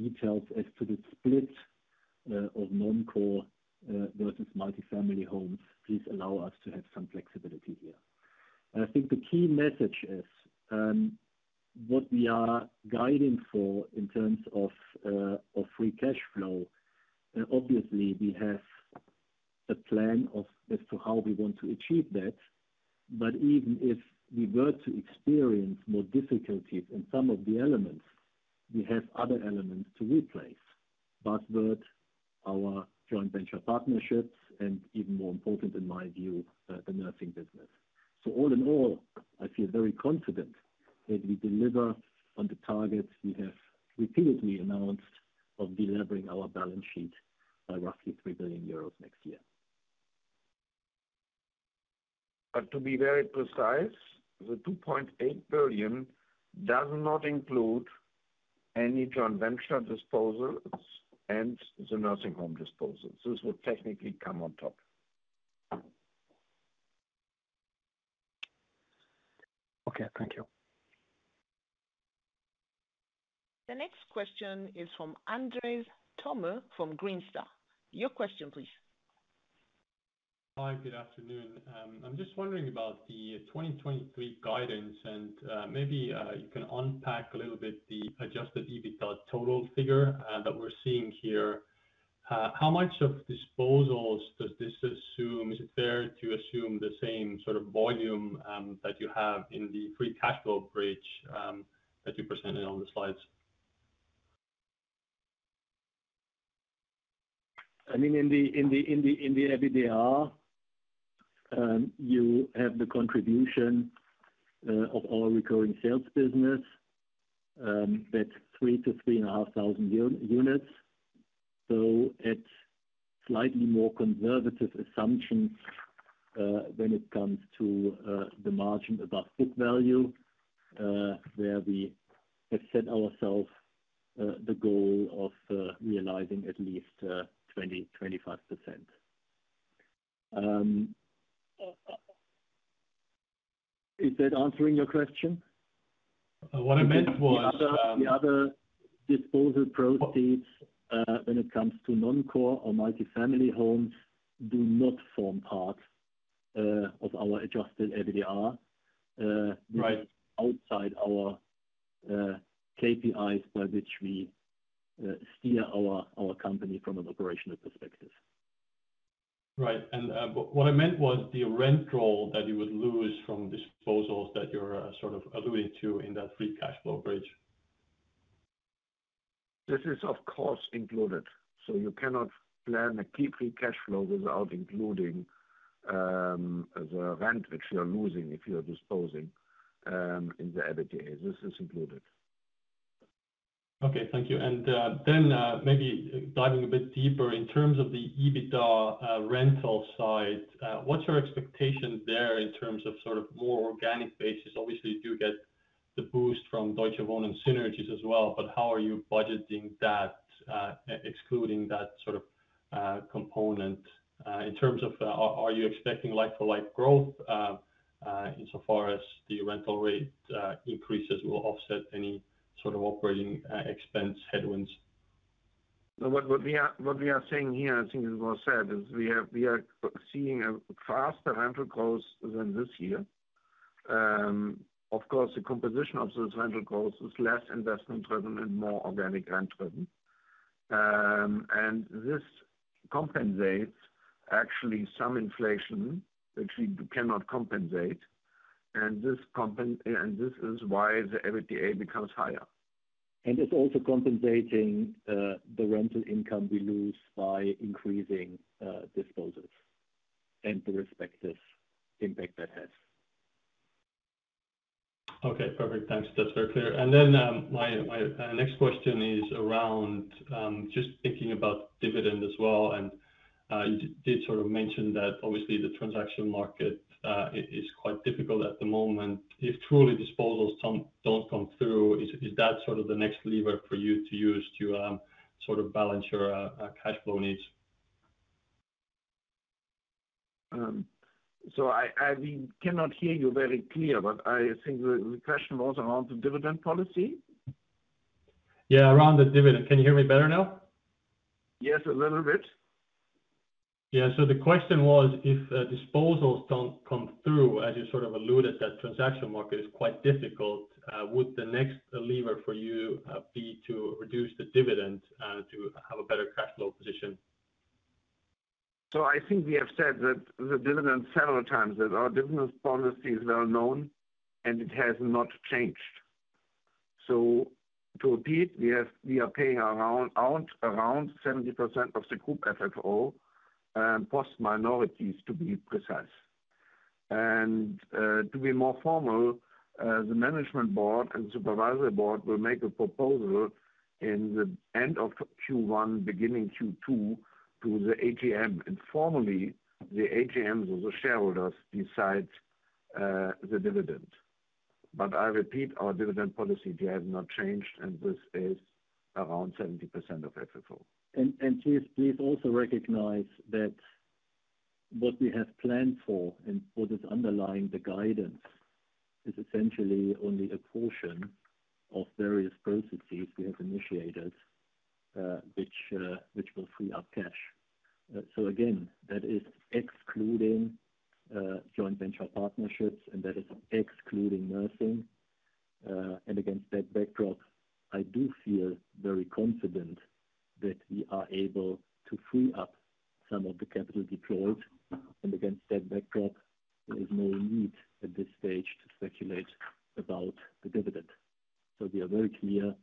not much to add at this stage. To guide, or to provide more details as to the split of non-core versus multi-family homes, please allow us to have some flexibility here. I think the key message is what we are guiding for in terms of free cash flow. Obviously we have a plan as to how we want to achieve that. Even if we were to experience more difficulties in some of the elements, we have other elements to replace. Buchwert, our joint venture partnerships, and even more important in my view, the nursing business. All in all, I feel very confident that we deliver on the targets we have repeatedly announced of delivering our balance sheet by roughly 3 billion euros next year. To be very precise, the 2.8 billion does not include any joint venture disposals and the nursing home disposals. This will technically come on top. Okay. Thank you. The next question is from Andres Toome from Green Street. Your question, please. Hi. Good afternoon. I'm just wondering about the 2023 guidance and, maybe, you can unpack a little bit the adjusted EBITDA total figure, that we're seeing here. How much of disposals does this assume? Is it fair to assume the same sort of volume, that you have in the free cash flow bridge, that you presented on the slides? I mean, in the EBITDA, you have the contribution of our Recurring Sales business, that's 3-3.5 thousand units. It's slightly more conservative assumptions, when it comes to the margin above book value, where we have set ourselves the goal of realizing at least 25%. Is that answering your question? What I meant was. The other disposal proceeds, when it comes to non-core or multi-family homes, do not form part of our adjusted EBITDA. Right. Outside our KPIs by which we steer our company from an operational perspective. Right. What I meant was the rent roll that you would lose from disposals that you're sort of alluding to in that free cash flow bridge. This is, of course, included, so you cannot plan a key free cash flow without including the rent which you are losing if you are disposing in the EBITDA. This is included. Okay. Thank you. Maybe diving a bit deeper in terms of the EBITDA rental side, what's your expectation there in terms of sort of more organic basis? Obviously, you do get the boost from Deutsche Wohnen synergies as well, but how are you budgeting that, excluding that sort of component, in terms of, are you expecting like for like growth, in so far as the rental rate increases will offset any sort of operating expense headwinds? What we are saying here, I think it was said, is we are seeing a faster rental growth than this year. Of course, the composition of those rental growth is less investment driven and more organic rent driven. This compensates actually some inflation, which we cannot compensate. This is why the EBITDA becomes higher. It's also compensating the rental income we lose by increasing disposals and the respective impact that has. Okay, perfect. Thanks. That's very clear. My next question is around just thinking about dividend as well. You did sort of mention that obviously the transaction market is quite difficult at the moment. If truly disposals don't come through, is that sort of the next lever for you to use to sort of balance your cash flow needs? We cannot hear you very clear, but I think the question was around the dividend policy. Yeah, around the dividend. Can you hear me better now? Yes, a little bit. The question was if disposals don't come through, as you sort of alluded, that transaction market is quite difficult, would the next lever for you be to reduce the dividend to have a better cash flow position? I think we have said that the dividend several times, that our dividend policy is well known and it has not changed. To repeat, we are paying out around 70% of the group FFO, post minorities, to be precise. To be more formal, the management board and supervisory board will make a proposal in the end of Q1, beginning Q2, to the AGM. Formally, the AGMs or the shareholders decide the dividend. I repeat, our dividend policy, it has not changed, and this is around 70% of FFO. Please also recognize that what we have planned for and what is underlying the guidance is essentially only a portion of various processes we have initiated, which will free up cash. Again, that is excluding joint venture partnerships, and that is excluding nursing. Against that backdrop, I do feel very confident that we are able to free up some of the capital deployed. Against that backdrop, there is no need at this stage to speculate about the dividend. We are very clear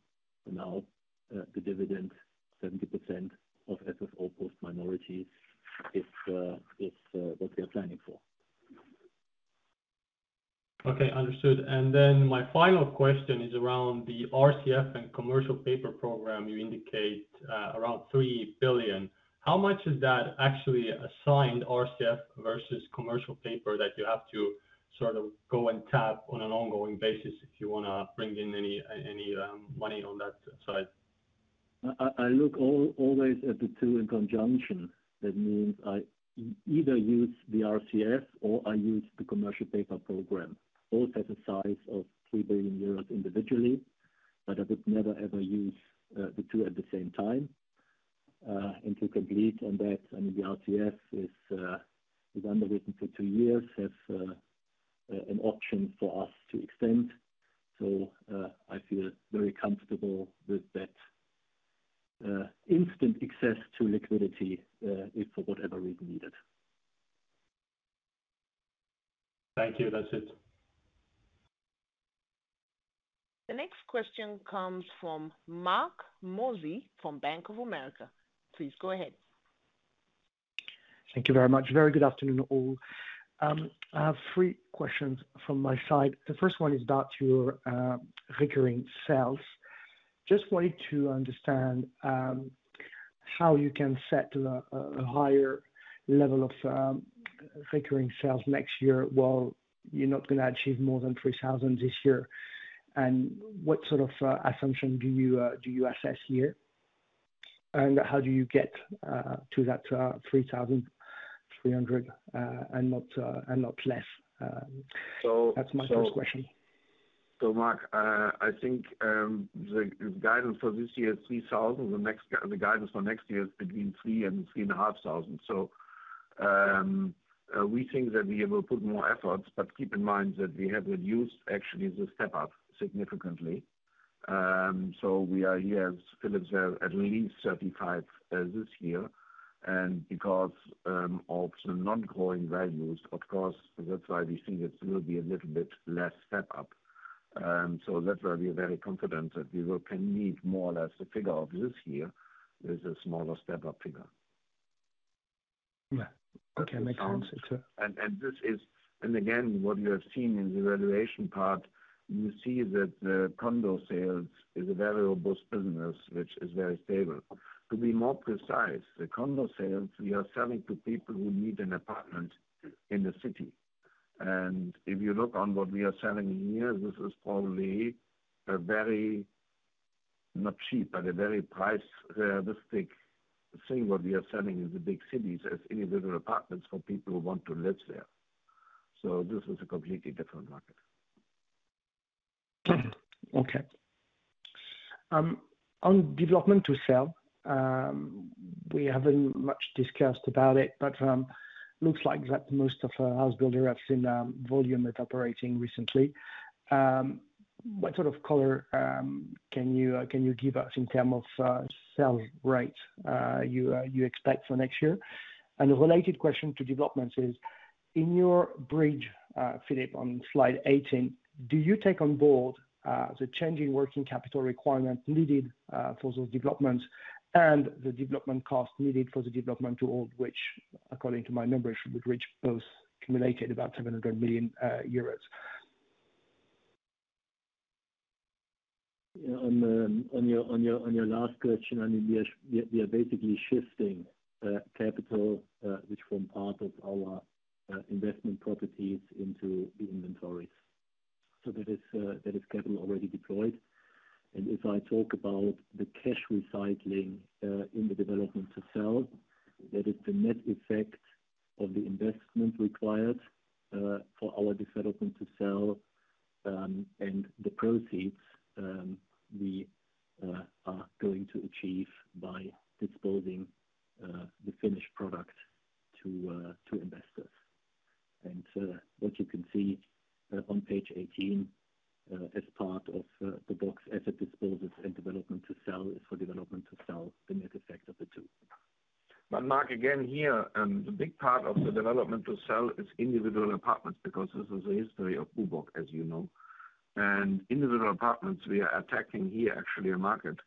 now, the dividend, 70% of FFO post minorities is what we are planning for. Okay, understood. My final question is around the RCF and commercial paper program. You indicate around 3 billion. How much is that actually assigned RCF versus commercial paper that you have to sort of go and tap on an ongoing basis if you wanna bring in any money on that side? I look always at the two in conjunction. That means I either use the RCF or I use the commercial paper program. Both have a size of 3 billion euros individually, but I would never, ever use the two at the same time. To complete on that, I mean, the RCF is underwritten for two years, has an option for us to extend. I feel very comfortable with that instant access to liquidity, if for whatever reason needed. Thank you. That's it. The next question comes from Marc Mozzi from Bank of America. Please go ahead. Thank you very much. Very good afternoon all. I have three questions from my side. The first one is about your recurring sales. Just wanted to understand how you can set a higher level of recurring sales next year while you're not gonna achieve more than 3,000 this year. What sort of assumption do you assess here? How do you get to that 3,300 and not less? That's my first question. Marc, I think the guidance for this year is 3,000. The guidance for next year is between 3,000 and 3,500. We think that we will put more efforts, but keep in mind that we have reduced actually the step up significantly. We are here, as Philip said, at least 35 this year. Because of the non-growing values, of course, that's why we think it will be a little bit less step up. That's why we are very confident that we will can meet more or less the figure of this year with a smaller step-up figure. Yeah. Okay. Makes sense. Sure. Again, what you have seen in the valuation part, you see that the condo sales is a very robust business which is very stable. To be more precise, the condo sales we are selling to people who need an apartment in the city. If you look on what we are selling here, this is probably a very, not cheap, but a very price realistic thing what we are selling in the big cities as individual apartments for people who want to live there. This is a completely different market. Okay. On development to sell, we haven't much discussed about it, but looks like that most of our house builder have seen volume that's operating recently. What sort of color can you give us in terms of sales rate you expect for next year? A related question to developments is, in your bridge, Philip, on slide 18, do you take on board the change in working capital requirement needed for those developments and the development cost needed for the development to hold, which according to my numbers, would reach both accumulated about 700 million euros? On your last question, I mean, we are basically shifting capital, which form part of our investment properties into the inventories. That is capital already deployed. If I talk about the cash recycling in the development to sell, that is the net effect of the investment required for our development to sell and the proceeds we are going to achieve by disposing the finished product to investors. What you can see on page 18 as part of the box asset disposals and development to sell is for development to sell the net effect of the two. Marc, again here, the big part of the development to sell is individual apartments because this is a history of BUWOG, as you know. Individual apartments, we are attacking here actually a market,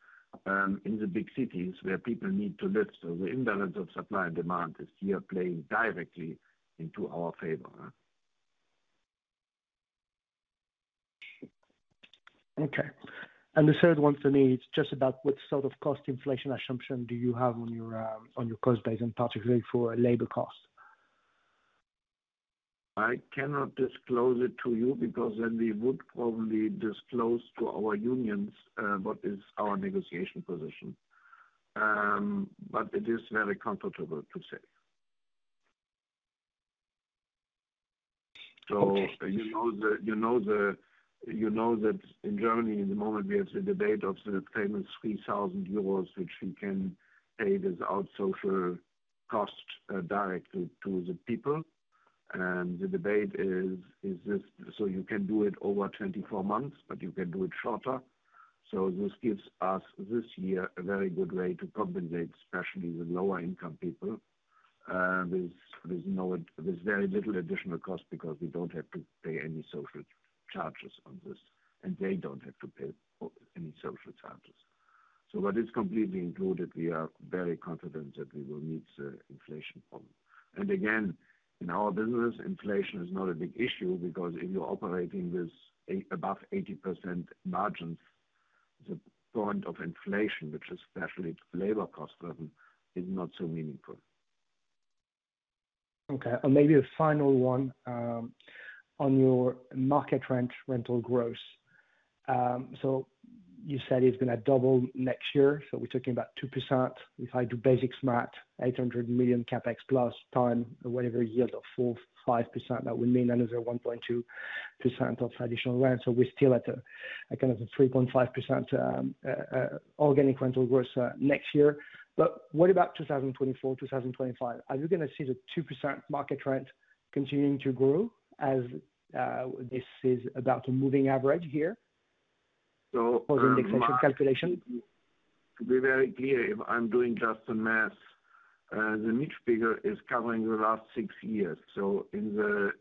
in the big cities where people need to live. The imbalance of supply and demand is here playing directly into our favor. Okay. The third one for me, it's just about what sort of cost inflation assumption do you have on your cost base, and particularly for labor cost? I cannot disclose it to you because then we would probably disclose to our unions what is our negotiation position. It is very comfortable to say. Okay. You know that in Germany at the moment we have the debate of the payment 3,000 euros, which we can pay without social cost directly to the people. The debate is this so you can do it over 24 months, but you can do it shorter. This gives us this year a very good way to compensate, especially the lower income people. There's very little additional cost because we don't have to pay any social charges on this, and they don't have to pay any social charges. What is completely included, we are very confident that we will meet the inflation problem. Again, in our business, inflation is not a big issue because if you're operating with above 80% margins, the point of inflation, which is especially labor cost-driven, is not so meaningful. Okay. Maybe a final one on your market rent rental growth. So you said it's gonna double next year, so we're talking about 2%. If I do basic math, 800 million CapEx plus times whatever yield of 4%-5%. That would mean another 1.2% of traditional rent. We're still at a kind of a 3.5% organic rental growth next year. What about 2024, 2025? Are you gonna see the 2% market rent continuing to grow as this is about a moving average here? So, um- The indexation calculation. To be very clear, if I'm doing just the math, the Mietspiegel is covering the last six years. Your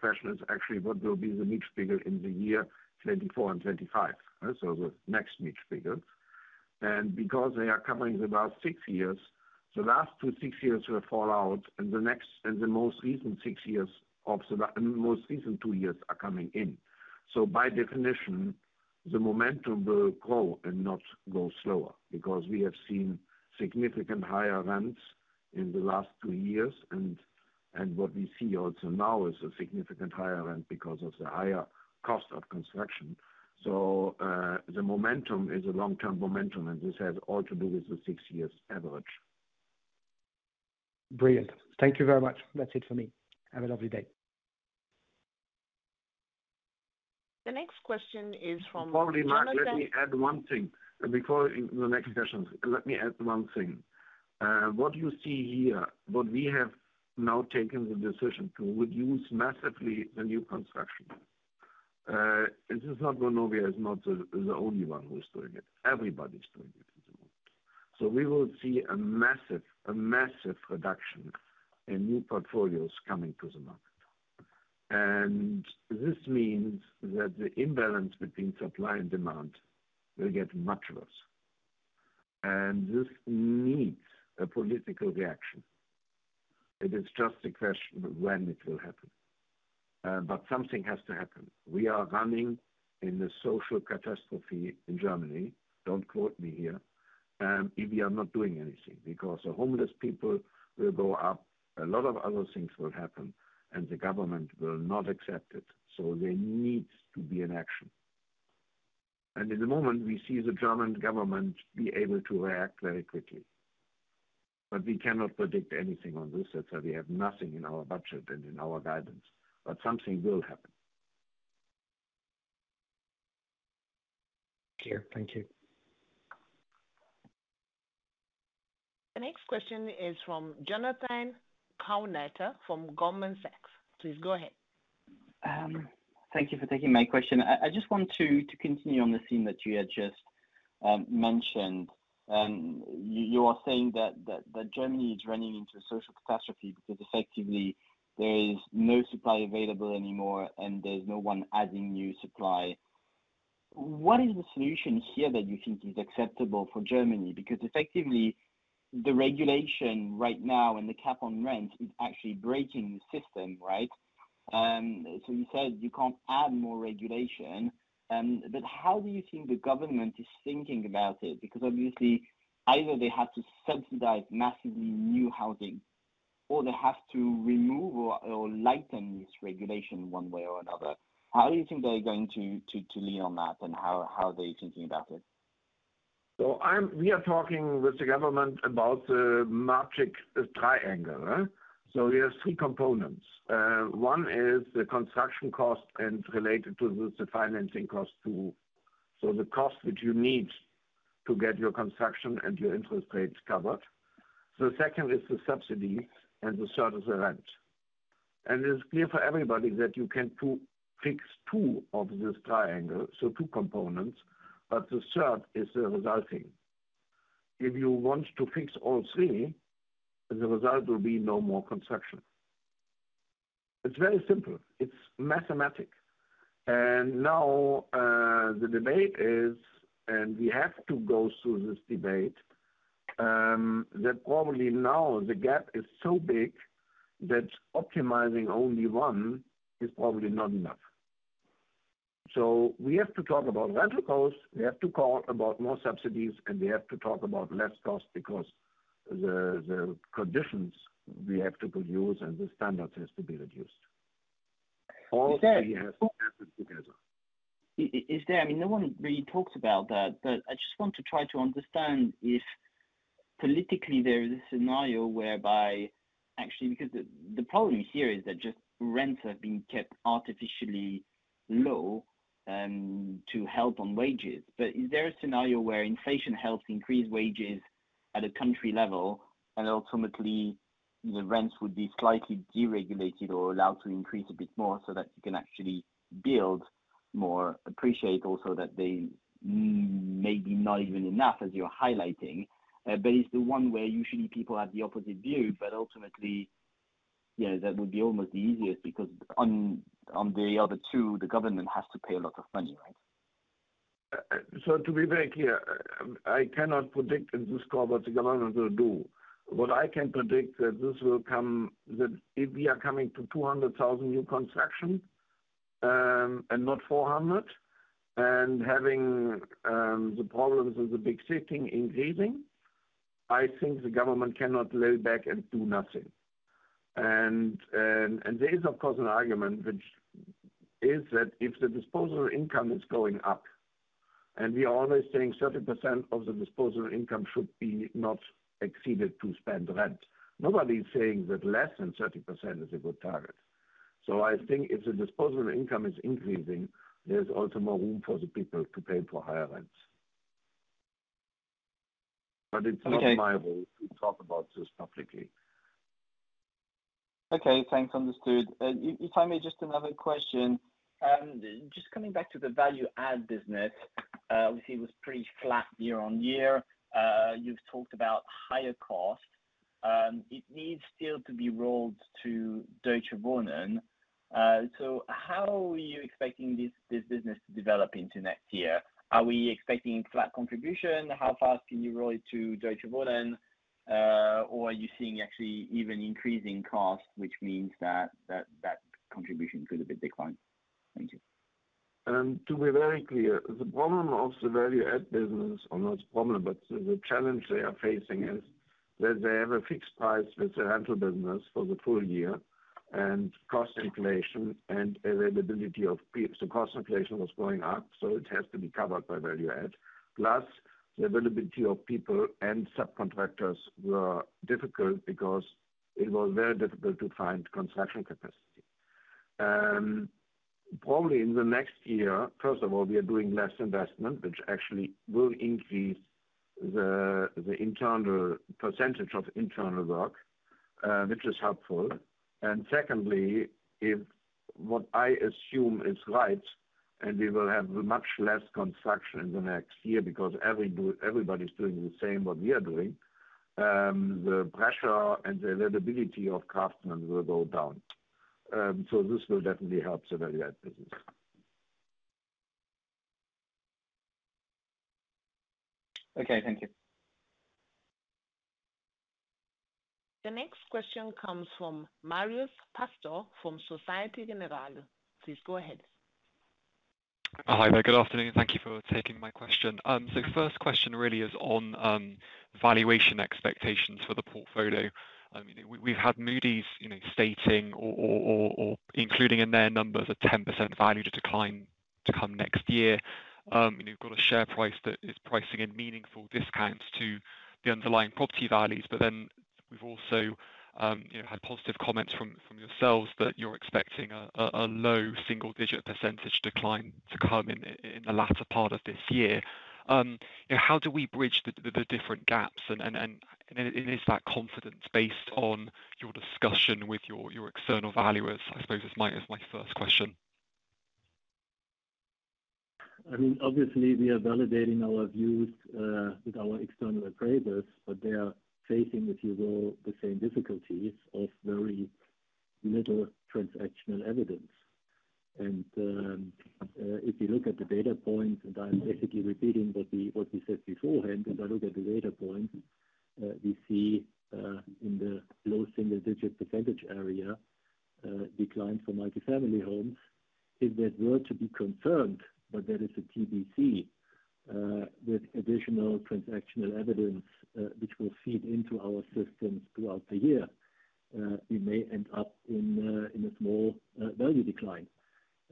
question is actually what will be the Mietspiegel in the year 2024 and 2025. The next Mietspiegel. Because they are covering the last six years, the last two six years will fall out and the most recent six years and the most recent two years are coming in. By definition, the momentum will grow and not go slower because we have seen significant higher rents in the last two years. What we see also now is a significant higher rent because of the higher cost of construction. The momentum is a long-term momentum, and this has all to do with the six years average. Brilliant. Thank you very much. That's it for me. Have a lovely day. The next question is from Jonathan. Probably, Marc, let me add one thing. Before the next questions, let me add one thing. What you see here, what we have now taken the decision to reduce massively the new construction. This is not Vonovia, the only one who's doing it. Everybody's doing it at the moment. We will see a massive reduction in new portfolios coming to the market. This means that the imbalance between supply and demand will get much worse. This needs a political reaction. It is just a question of when it will happen. Something has to happen. We are running in a social catastrophe in Germany, don't quote me here, if we are not doing anything. Because the homeless people will go up, a lot of other things will happen, and the government will not accept it. There needs to be an action. At the moment, we see the German government be able to react very quickly. We cannot predict anything on this. That's why we have nothing in our budget and in our guidance. Something will happen. Clear. Thank you. The next question is from Jonathan Kownator from Goldman Sachs. Please go ahead. Thank you for taking my question. I just want to continue on the theme that you had just mentioned. You are saying that Germany is running into a social catastrophe because effectively there is no supply available anymore and there's no one adding new supply. What is the solution here that you think is acceptable for Germany? Because effectively the regulation right now and the cap on rent is actually breaking the system, right? You said you can't add more regulation, but how do you think the government is thinking about it? Because obviously either they have to subsidize massively new housing or they have to remove or lighten this regulation one way or another. How do you think they're going to lean on that, and how are they thinking about it? We are talking with the government about the magic triangle, right? We have three components. One is the construction cost and related to the financing cost too. The cost which you need to get your construction and your interest rates covered. The second is the subsidy, and the third is the rent. It's clear for everybody that you can fix two of this triangle, so two components, but the third is the resulting. If you want to fix all three, the result will be no more construction. It's very simple. It's mathematics. Now the debate is, and we have to go through this debate, that probably now the gap is so big that optimizing only one is probably not enough. We have to talk about rental costs, we have to talk about more subsidies, and we have to talk about less cost because the conditions we have to use and the standards has to be reduced. Is there? All three has to happen together. Is there, I mean, no one really talks about that, but I just want to try to understand if politically there is a scenario whereby actually, because the problem here is that just rents have been kept artificially low to help on wages. Is there a scenario where inflation helps increase wages at a country level and ultimately the rents would be slightly deregulated or allowed to increase a bit more so that you can actually build more, appreciate also that they maybe not even enough as you're highlighting. It's the one where usually people have the opposite view, but ultimately, you know, that would be almost the easiest because on the other two, the government has to pay a lot of money, right? To be very clear, I cannot predict at this call what the government will do. What I can predict that if we are coming to 200,000 new construction, and not 400. Having the problems of the big city increasing, I think the government cannot lay back and do nothing. There is, of course, an argument, which is that if the disposable income is going up and we are only saying 30% of the disposable income should be not exceeded to spend rent. Nobody's saying that less than 30% is a good target. I think if the disposable income is increasing, there's also more room for the people to pay for higher rents. It's not my role to talk about this publicly. Okay. Thanks. Understood. If I may, just another question. Just coming back to the value-add business, obviously it was pretty flat year-over-year. You've talked about higher costs. It needs still to be rolled to Deutsche Wohnen. How are you expecting this business to develop into next year? Are we expecting flat contribution? How fast can you roll it to Deutsche Wohnen? Or are you seeing actually even increasing costs, which means that contribution could a bit decline. Thank you. To be very clear, the problem of the value-add business, or not problem, but the challenge they are facing is that they have a fixed price with the rental business for the full year, and cost inflation and availability of people. The cost inflation was going up, so it has to be covered by value-add. Plus, the availability of people and subcontractors were difficult because it was very difficult to find construction capacity. Probably in the next year, first of all, we are doing less investment, which actually will increase the internal percentage of internal work, which is helpful. Secondly, if what I assume is right, and we will have much less construction in the next year because everybody's doing the same what we are doing, the pressure and the availability of craftsmen will go down. This will definitely help the value-add business. Okay. Thank you. The next question comes from Marios Pastou from Société Générale. Please go ahead. Hi there. Good afternoon. Thank you for taking my question. First question really is on valuation expectations for the portfolio. We've had Moody's, you know, stating or including in their numbers a 10% value decline to come next year. You've got a share price that is pricing in meaningful discounts to the underlying property values. We've also, you know, had positive comments from yourselves that you're expecting a low single-digit % decline to come in the latter part of this year. You know, how do we bridge the different gaps and is that confidence based on your discussion with your external valuers? I suppose is my first question. I mean, obviously we are validating our views with our external appraisers, but they are facing, if you will, the same difficulties of very little transactional evidence. If you look at the data points, and I'm basically repeating what we said beforehand, if I look at the data points, we see in the low single-digit % area decline for multifamily homes. If that were to be confirmed, but that is a TBC with additional transactional evidence, which will feed into our systems throughout the year, we may end up in a small value decline.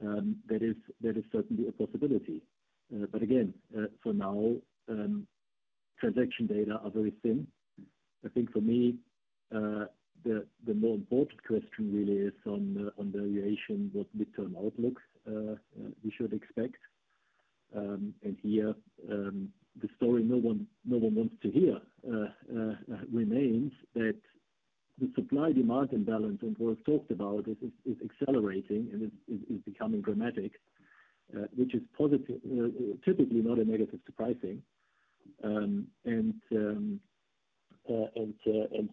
That is certainly a possibility. Again, for now, transaction data are very thin. I think for me, the more important question really is on valuation, what midterm outlooks we should expect. Here, the story no one wants to hear remains that the supply-demand imbalance and what I've talked about is accelerating and is becoming dramatic, which is positive, typically not a negative surprise.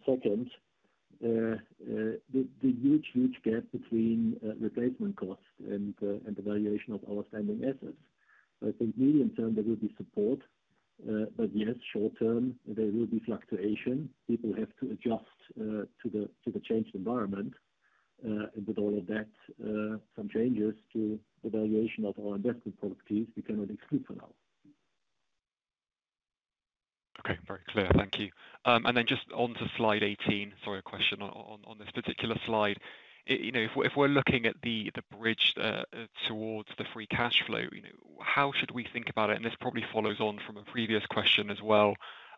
Second, the huge gap between replacement costs and the valuation of our standing assets. I think medium-term there will be support, but yes, short-term there will be fluctuation. People have to adjust to the changed environment. With all of that, some changes to the valuation of our investment properties we cannot exclude for now. Okay. Very clear. Thank you. Just onto slide 18. Sorry, a question on this particular slide. You know, if we're looking at the bridge towards the free cash flow, you know, how should we think about it? This probably follows on from a previous question as well.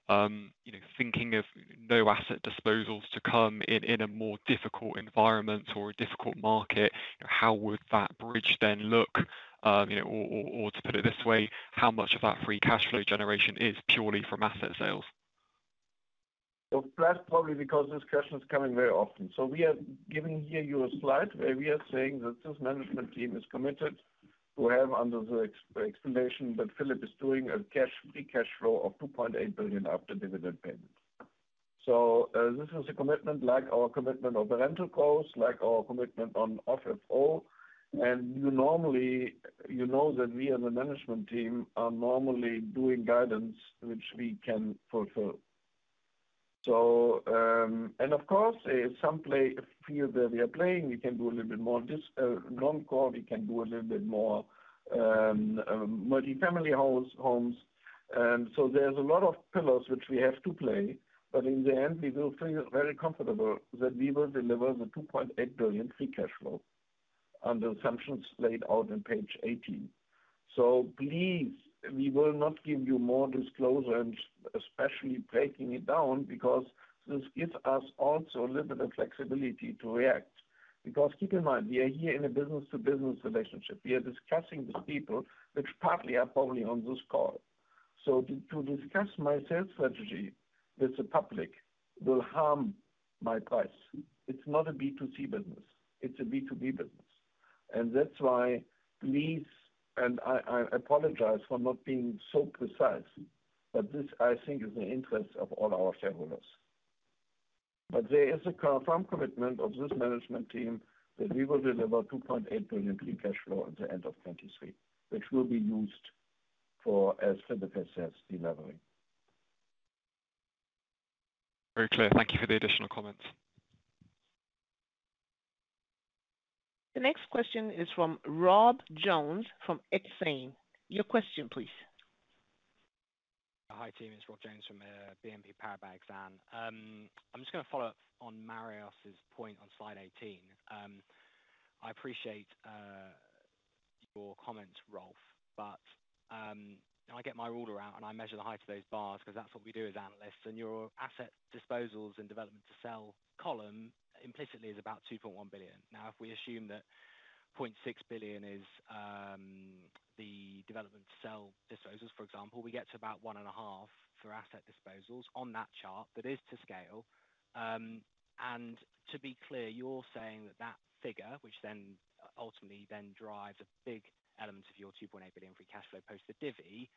You know, thinking of no asset disposals to come in a more difficult environment or a difficult market, how would that bridge then look? You know, or to put it this way, how much of that free cash flow generation is purely from asset sales? Well, that's probably because this question is coming very often. We are giving here you a slide where we are saying that this management team is committed to have under the explanation that Philip is doing a cash free cash flow of 2.8 billion after dividend payment. This is a commitment like our commitment of the rental cost, like our commitment on FFO. You normally, you know that we as a management team are normally doing guidance which we can fulfill. Of course, if some playing field where we are playing, we can do a little bit more ground core, we can do a little bit more multifamily homes. There's a lot of pillars which we have to play. In the end, we will feel very comfortable that we will deliver the 2.8 billion free cash flow under assumptions laid out in page 18. Please, we will not give you more disclosure and especially breaking it down because this gives us also a little bit of flexibility to react. Keep in mind, we are here in a business to business relationship. We are discussing with people which partly are probably on this call. To discuss my sales strategy with the public will harm my price. It's not a B2C business. It's a B2B business. That's why please, and I apologize for not being so precise, but this, I think, is in the interest of all our shareholders. There is a confirmed commitment of this management team that we will deliver 2.8 billion free cash flow at the end of 2023, which will be used for, as Philip has said, delevering. Very clear. Thank you for the additional comments. The next question is from Rob Jones from Exane. Your question, please. Hi, team. It's Rob Jones from BNP Paribas Exane. I'm just gonna follow up on Marios Pastou's point on slide 18. I appreciate your comment, Rolf Buch, but I get my ruler out and I measure the height of those bars 'cause that's what we do as analysts. Your asset disposals in development to sell column implicitly is about 2.1 billion. Now, if we assume that 0.6 billion is the development to sell disposals, for example, we get to about 1.5 for asset disposals on that chart. That is to scale. To be clear, you're saying that figure, which ultimately drives a big element of your 2.8 billion free cash flow post the divvy,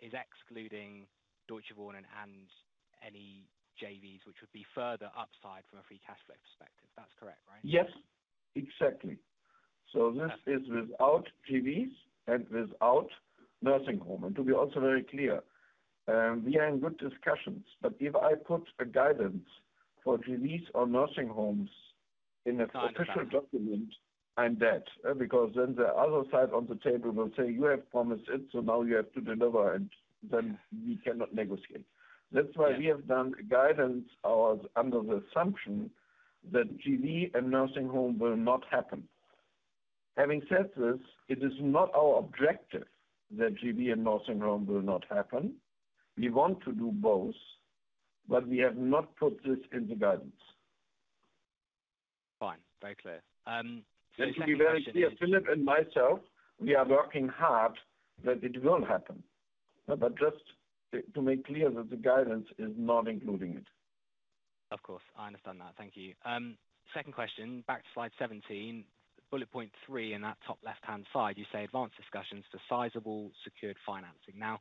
is excluding Deutsche Wohnen and any JVs which would be further upside from a free cash flow perspective. That's correct, right? Yes, exactly. This is without JVs and without nursing home. To be also very clear, we are in good discussions, but if I put a guidance for JVs or nursing homes in an official document, I'm dead. Because then the other side of the table will say, "You have promised it, so now you have to deliver." We cannot negotiate. That's why we have done guidance, under the assumption that JV and nursing home will not happen. Having said this, it is not our objective that JV and nursing home will not happen. We want to do both, but we have not put this in the guidance. Fine. Very clear. To be very clear, Philip and myself, we are working hard that it will happen. Just to make clear that the guidance is not including it. Of course. I understand that. Thank you. Second question, back to slide 17, bullet point three in that top left-hand side, you say advanced discussions for sizable secured financing. Now,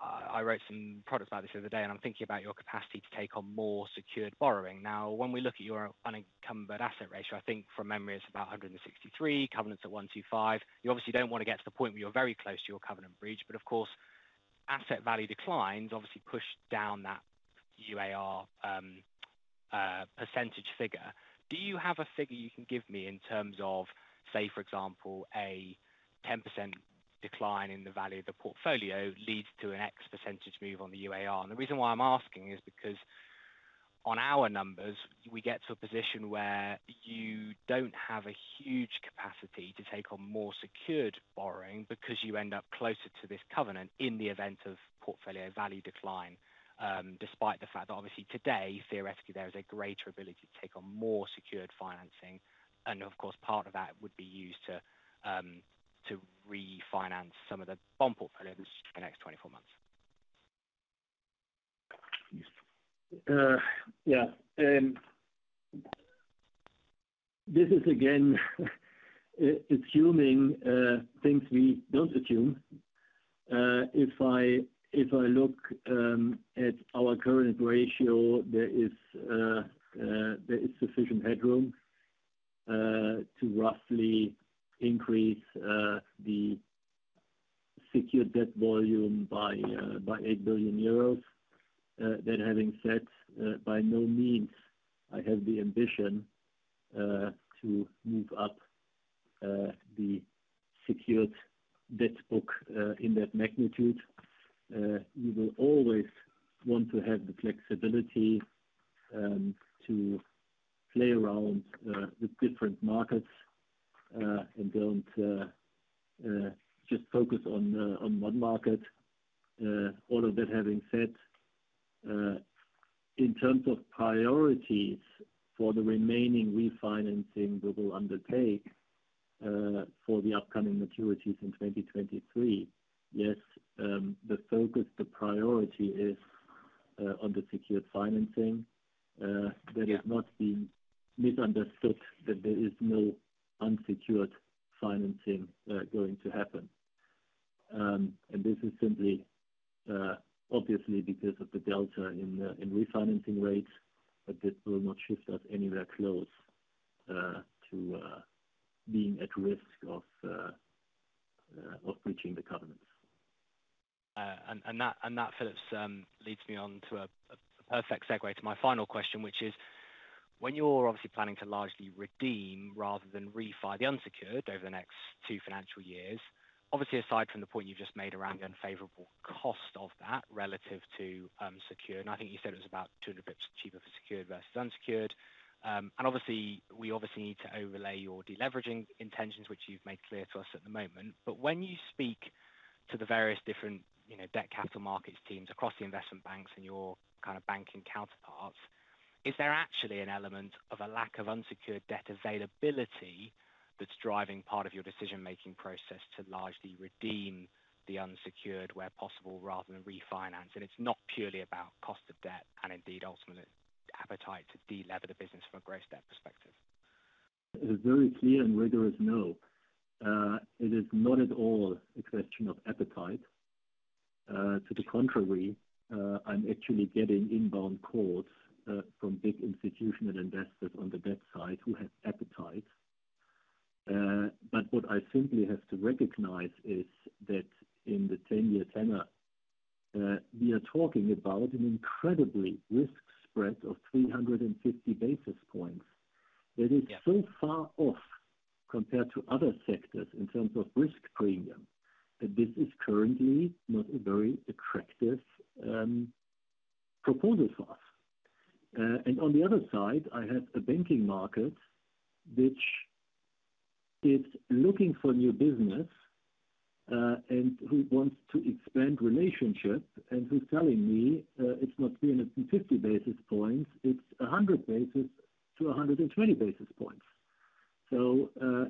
I wrote some products about this the other day, and I'm thinking about your capacity to take on more secured borrowing. Now, when we look at your unencumbered asset ratio, I think from memory it's about 163, covenants at 125. You obviously don't wanna get to the point where you're very close to your covenant breach, but of course, asset value declines obviously push down that UAR, percentage figure. Do you have a figure you can give me in terms of, say, for example, a 10% decline in the value of the portfolio leads to an X% move on the UAR? The reason why I'm asking is because on our numbers, we get to a position where you don't have a huge capacity to take on more secured borrowing because you end up closer to this covenant in the event of portfolio value decline, despite the fact that obviously today, theoretically, there is a greater ability to take on more secured financing. Of course, part of that would be used to refinance some of the bond portfolio in the next 24 months. Yeah. This is again assuming things we don't assume. If I look at our current ratio, there is sufficient headroom to roughly increase the secured debt volume by 8 billion euros. That having said, by no means I have the ambition to move up the secured debt book in that magnitude. We will always want to have the flexibility to play around with different markets and don't just focus on one market. All of that having said, in terms of priorities for the remaining refinancing we will undertake for the upcoming maturities in 2023, yes, the focus, the priority is on the secured financing. That has not been misunderstood that there is no unsecured financing going to happen. This is simply obviously because of the delta in refinancing rates, but this will not shift us anywhere close to being at risk of reaching the covenants. That, Philip, leads me on to a perfect segue to my final question, which is when you're obviously planning to largely redeem rather than refi the unsecured over the next two financial years, obviously, aside from the point you've just made around the unfavorable cost of that relative to secured, and I think you said it was about 200 basis points cheaper for secured versus unsecured. Obviously, we obviously need to overlay your de-leveraging intentions, which you've made clear to us at the moment. When you speak to the various different, you know, debt capital markets teams across the investment banks and your kind of banking counterparts, is there actually an element of a lack of unsecured debt availability that's driving part of your decision-making process to largely redeem the unsecured where possible rather than refinance? It's not purely about cost of debt and indeed ultimately appetite to de-lever the business from a gross debt perspective. It is not at all a question of appetite. To the contrary, I'm actually getting inbound calls from big institutional investors on the debt side who have appetite. But what I simply have to recognize is that in the 10-year tenor, we are talking about an incredibly risk spread of 350 basis points. That is so far off compared to other sectors in terms of risk premium, that this is currently not a very attractive proposal for us. On the other side, I have a banking market which is looking for new business, and who wants to expand relationships and who's telling me, it's not 350 basis points, it's 100 basis points to 120 basis points.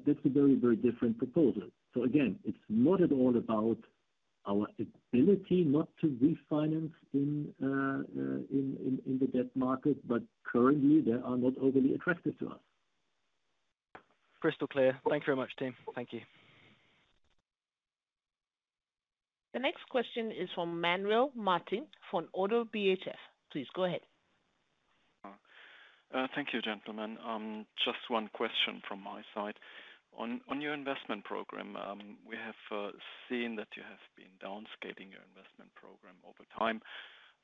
That's a very, very different proposal. Again, it's not at all about our ability not to refinance in the debt market, but currently they are not overly attractive to us. Crystal clear. Thank you very much, team. Thank you. The next question is from Manuel Martin from Oddo BHF. Please go ahead. Thank you, gentlemen. Just one question from my side. On your investment program, we have seen that you have been downscaling your investment program over time,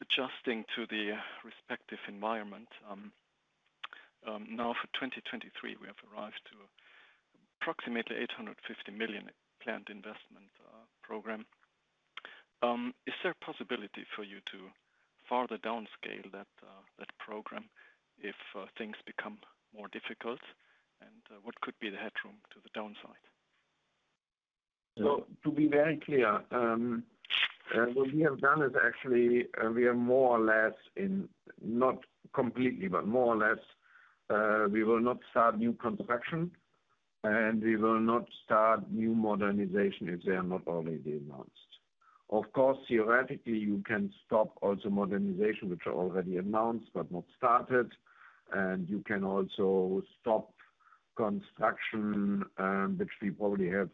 adjusting to the respective environment. Now for 2023, we have arrived to approximately 850 million planned investment program. Is there a possibility for you to further downscale that program if things become more difficult? What could be the headroom to the downside? To be very clear, what we have done is actually, we are more or less not completely, but more or less, we will not start new construction and we will not start new modernization if they are not already announced. Of course, theoretically, you can stop also modernization, which are already announced but not started, and you can also stop construction, which we probably have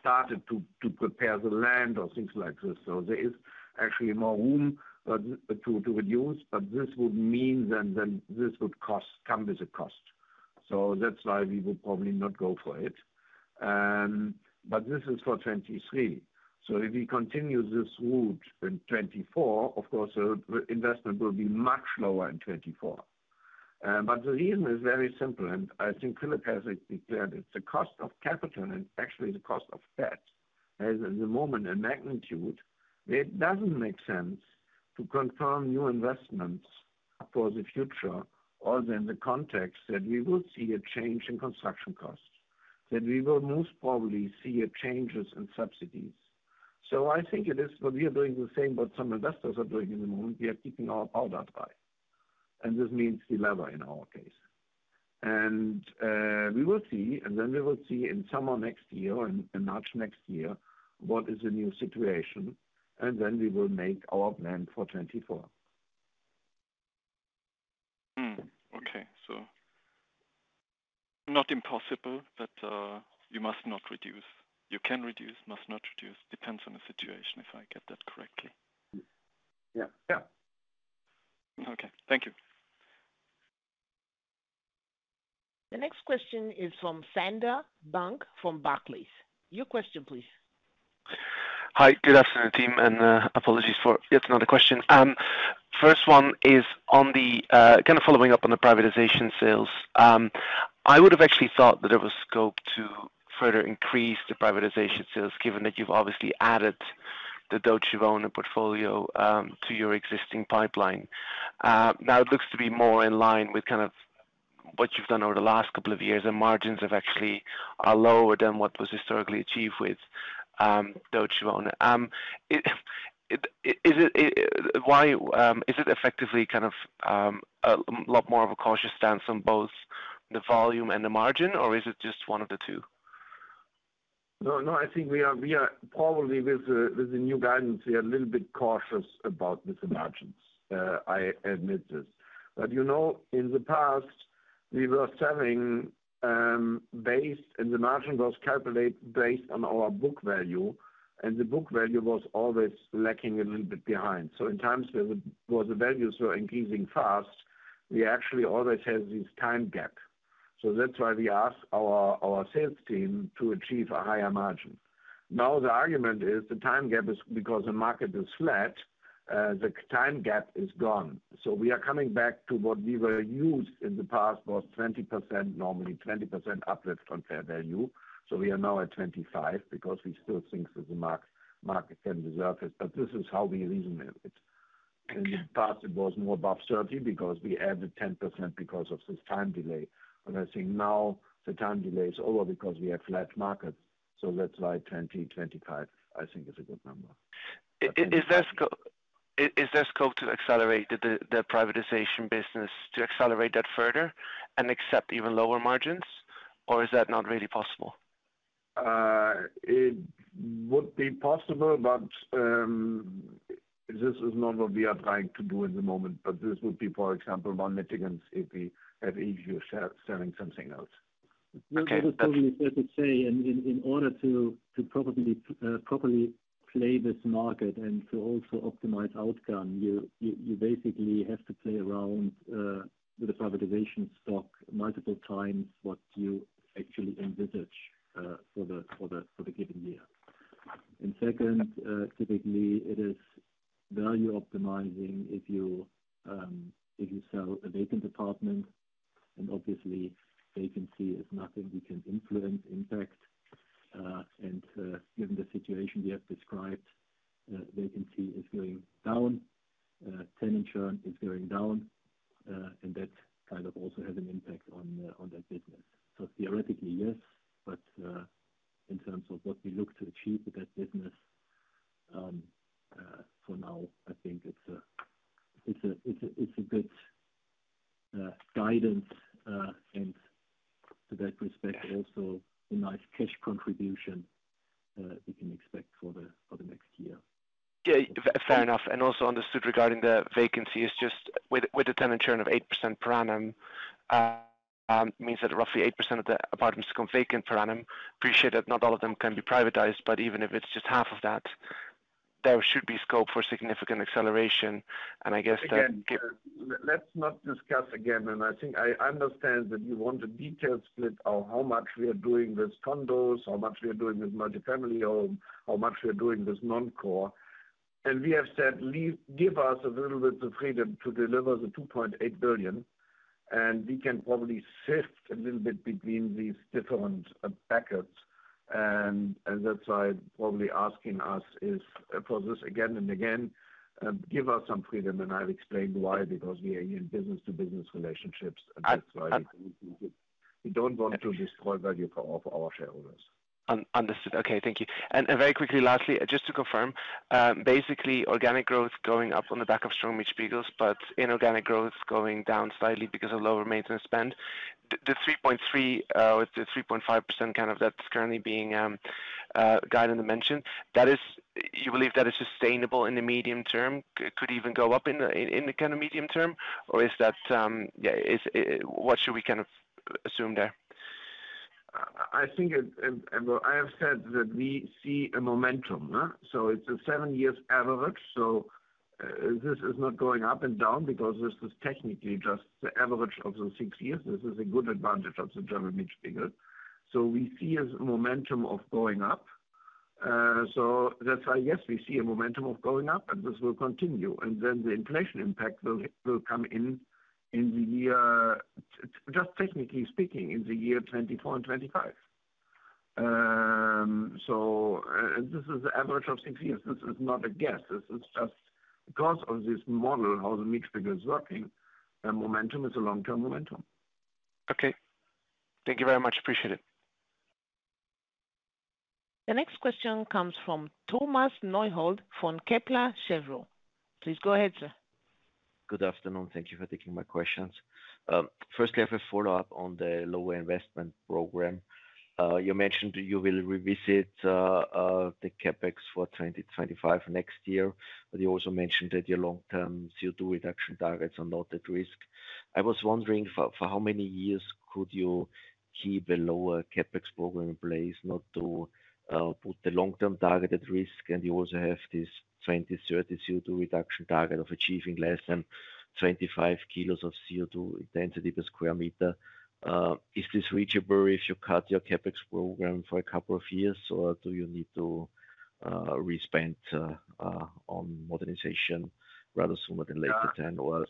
started to prepare the land or things like this. There is actually more room to reduce, but this would mean then this would come with a cost. That's why we would probably not go for it. But this is for 2023. If we continue this route in 2024, of course our investment will be much lower in 2024. The reason is very simple, and I think Philip has declared it. The cost of capital and actually the cost of debt has at the moment a magnitude that doesn't make sense to confirm new investments for the future or in the context that we would see a change in construction costs, that we will most probably see changes in subsidies. I think it is what we are doing the same, what some investors are doing at the moment. We are keeping our powder dry, and this means delever in our case. We will see. We will see in summer next year, in March next year, what is the new situation, and then we will make our plan for 2024. Hmm. Okay. Not impossible, but, you must not reduce. You can reduce, must not reduce. Depends on the situation, if I get that correctly. Yeah. Yeah. Okay. Thank you. The next question is from Sander Bunck from Barclays. Your question, please. Hi. Good afternoon, team, and apologies for yet another question. First one is on the kind of following up on the privatization sales. I would have actually thought that there was scope to further increase the privatization sales, given that you've obviously added the Deutsche Wohnen portfolio to your existing pipeline. Now it looks to be more in line with kind of what you've done over the last couple of years, and margins are lower than what was historically achieved with Deutsche Wohnen. Why is it effectively kind of a lot more of a cautious stance on both the volume and the margin, or is it just one of the two? I think we are probably with the new guidance a little bit cautious about the margins. I admit this. You know, in the past, we were selling based on, and the margin was calculated based on our book value. The book value was always lagging a little bit behind. In times where the values were increasing fast, we actually always have this time gap. That's why we ask our sales team to achieve a higher margin. Now the argument is the time gap is because the market is flat, the time gap is gone. We are coming back to what we were used to in the past was 20%, normally 20% uplift on fair value. We are now at 25% because we still think that the market can deserve it. This is how we reason it. In the past, it was more above 30% because we added 10% because of this time delay. I think now the time delay is over because we have flat markets. That's why 20%-25%, I think is a good number. Is there scope to accelerate the privatization business to accelerate that further and accept even lower margins? Or is that not really possible? It would be possible, but this is not what we are trying to do at the moment. This would be, for example, one mitigant if we have issue selling something else. Okay. What he probably said to say in order to probably properly play this market and to also optimize outcome, you basically have to play around with the privatization stock multiple times what you actually envisage for the given year. Second, typically it is value optimizing if you sell a vacant apartment, and obviously, vacancy is nothing we can influence, impact. Given the situation we have described, vacancy is going down, tenant churn is going down, and that kind of also has an impact on that business. Theoretically, yes, but in terms of what we look to achieve with that business, for now, I think it's a good guidance, and to that respect, also a nice cash contribution we can expect for the next year. Yeah. Fair enough. Also understood regarding the vacancy is just with the tenant churn of 8% per annum, means that roughly 8% of the apartments become vacant per annum. Appreciate that not all of them can be privatized, but even if it's just half of that, there should be scope for significant acceleration. I guess that. Again, let's not discuss again. I think I understand that you want a detailed split of how much we are doing with condos, how much we are doing with multi-family home, how much we are doing with non-core. We have said, give us a little bit of freedom to deliver the 2.8 billion, and we can probably sift a little bit between these different buckets. That's why you're probably asking us this again and again. Give us some freedom, and I've explained why, because we are in business to business relationships. I- We don't want to destroy value for our shareholders. Understood. Okay. Thank you. Very quickly, lastly, just to confirm, basically organic growth going up on the back of strong Mietspiegel, but inorganic growth going down slightly because of lower maintenance spend. The 3.5% kind of that's currently being guided and mentioned, that is you believe that is sustainable in the medium term? Could even go up in the kind of medium term? Or is that what should we kind of assume there? I have said that we see a momentum. It's a seven years average. This is not going up and down because this is technically just the average of the six years. This is a good advantage of the German Mietspiegel. We see a momentum of going up. That's why, yes, we see a momentum of going up and this will continue. The inflation impact will come in the year, just technically speaking, in the year 2024 and 2025. This is the average of six years. This is not a guess. This is just because of this model, how the Mietspiegel is working, the momentum is a long-term momentum. Okay. Thank you very much. Appreciate it. The next question comes from Thomas Neuhold from Kepler Cheuvreux. Please go ahead, sir. Good afternoon. Thank you for taking my questions. Firstly, I have a follow-up on the lower investment program. You mentioned you will revisit the CapEx for 2025 next year, but you also mentioned that your long-term CO2 reduction targets are not at risk. I was wondering for how many years could you keep a lower CapEx program in place not to put the long-term target at risk? You also have this 2030 CO2 reduction target of achieving less than 25 kilos of CO2 intensity per square meter. Is this reachable if you cut your CapEx program for a couple of years, or do you need to re-spend on modernization rather sooner than later then or?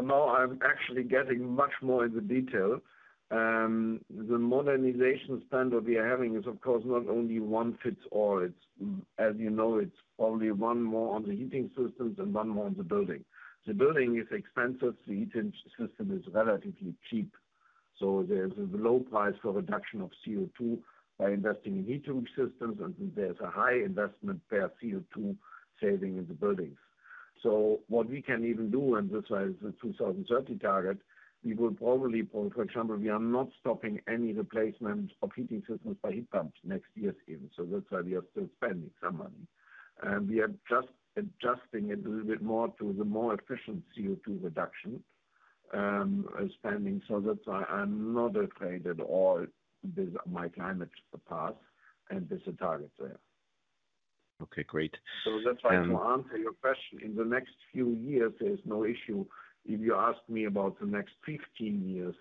Now I'm actually getting much more in the detail. The modernization standard we are having is of course not only one fits all. It's, as you know, it's only one more on the heating systems and one more on the building. The building is expensive, the heating system is relatively cheap. There's a low price for reduction of CO2 by investing in heating systems, and there's a high investment per CO2 saving in the buildings. What we can even do, and this is the 2030 target, we will probably pull. For example, we are not stopping any replacement of heating systems by heat pumps next year scheme. That's why we are still spending some money. We are just adjusting it a little bit more to the more efficient CO2 reduction. Spending. That's why I'm not afraid at all with my climate path and there's a target there. Okay, great. That's why to answer your question, in the next few years, there's no issue. If you ask me about the next 15 years,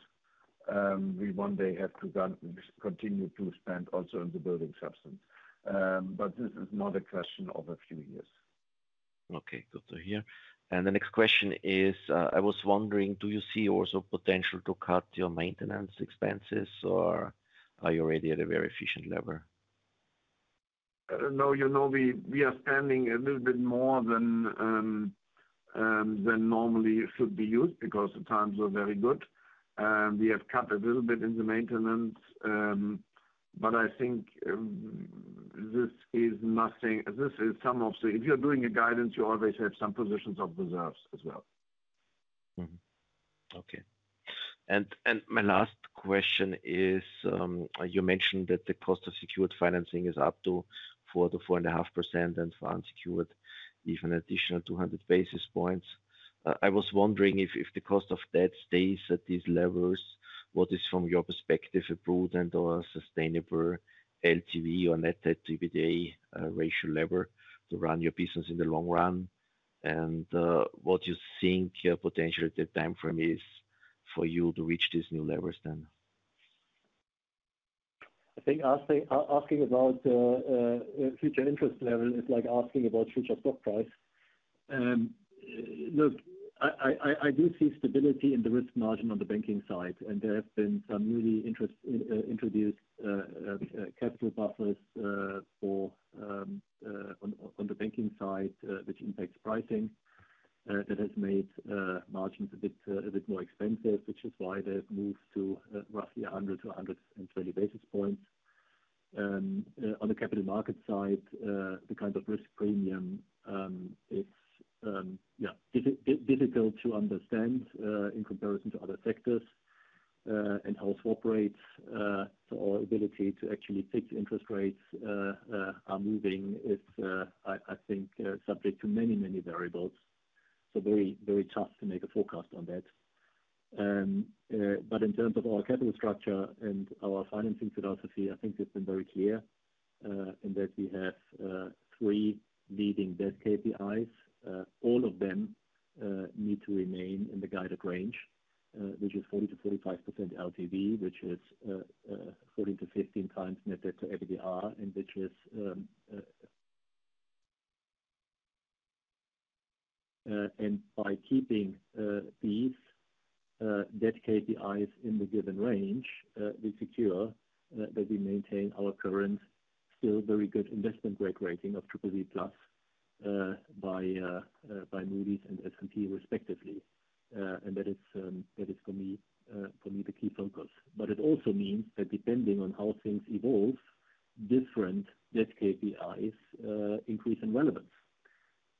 we one day have to continue to spend also in the building substance. But this is not a question of a few years. Okay. Gotcha here. The next question is, I was wondering, do you see also potential to cut your maintenance expenses, or are you already at a very efficient level? No, you know, we are spending a little bit more than normally should be used because the times were very good. We have cut a little bit in the maintenance, but I think this is nothing. If you're doing a guidance, you always have some positions of reserves as well. Okay. My last question is, you mentioned that the cost of secured financing is up to 4%-4.5%, and for unsecured, even additional 200 basis points. I was wondering if the cost of debt stays at these levels, what is from your perspective a prudent or sustainable LTV or net debt to EBITDA ratio level to run your business in the long run? What you think your potential time frame is for you to reach these new levels then? I think asking about future interest level is like asking about future stock price. Look, I do see stability in the risk margin on the banking side, and there have been some recently introduced capital buffers on the banking side, which impacts pricing that has made margins a bit more expensive, which is why they've moved to roughly 100-120 basis points. On the capital market side, the kind of risk premium, it's difficult to understand in comparison to other sectors, and also operates so our ability to actually take the interest rates are moving is, I think, subject to many variables. Very, very tough to make a forecast on that. In terms of our capital structure and our financing philosophy, I think we've been very clear in that we have three leading debt KPIs. All of them need to remain in the guided range, which is 40%-45% LTV, which is 14x-15x net debt to EBITDA, and by keeping these dedicated KPIs in the given range, we secure that we maintain our current still very good investment grade rating of BBB+ by Moody's and S&P respectively. That is for me the key focus. It also means that depending on how things evolve, different net KPIs increase in relevance.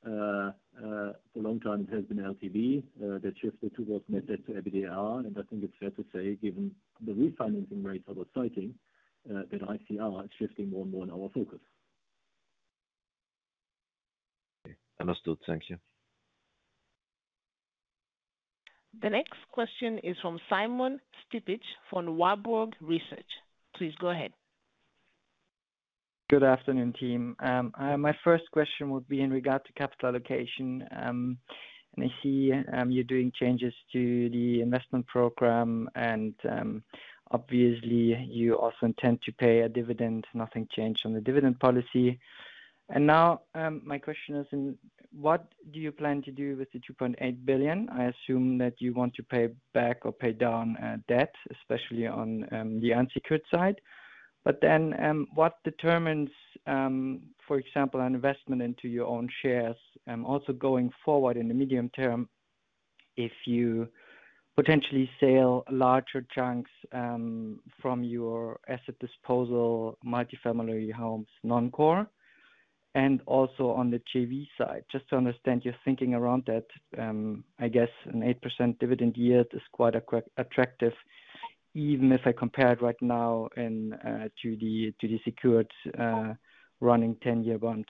For a long time it has been LTV that shifted towards net debt to EBITDA. I think it's fair to say given the refinancing rates I was citing, that ICR is shifting more and more in our focus. Understood. Thank you. The next question is from Simon Stippig, from Warburg Research. Please go ahead. Good afternoon, team. My first question would be in regard to capital allocation. I see you're doing changes to the investment program and obviously you also intend to pay a dividend. Nothing changed on the dividend policy. My question is in what do you plan to do with the 2.8 billion? I assume that you want to pay back or pay down debt, especially on the unsecured side. What determines, for example, an investment into your own shares? Also going forward in the medium term, if you potentially sell larger chunks from your asset disposal, multi-family homes, non-core, and also on the JV side, just to understand your thinking around that. I guess an 8% dividend yield is quite attractive even if I compare it right now to the secured running 10-year bond.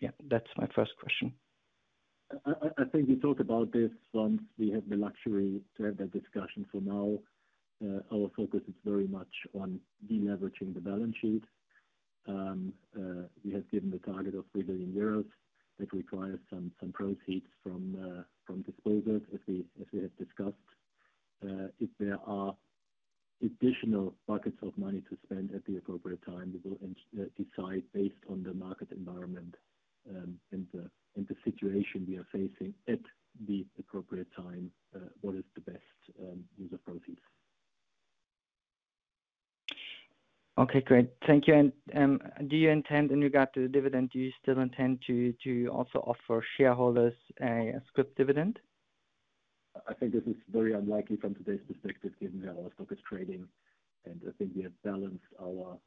Yeah, that's my first question. I think we talked about this once. We have the luxury to have that discussion for now. Our focus is very much on de-leveraging the balance sheet. We have given the target of 3 billion euros that requires some proceeds from disposals as we have discussed. If there are additional buckets of money to spend at the appropriate time, we will decide based on the market environment, and the situation we are facing at the appropriate time, what is the best use of proceeds. Okay, great. Thank you. Do you still intend, in regard to the dividend, to also offer shareholders a scrip dividend? I think this is very unlikely from today's perspective given how our stock is trading, and I think we have balanced our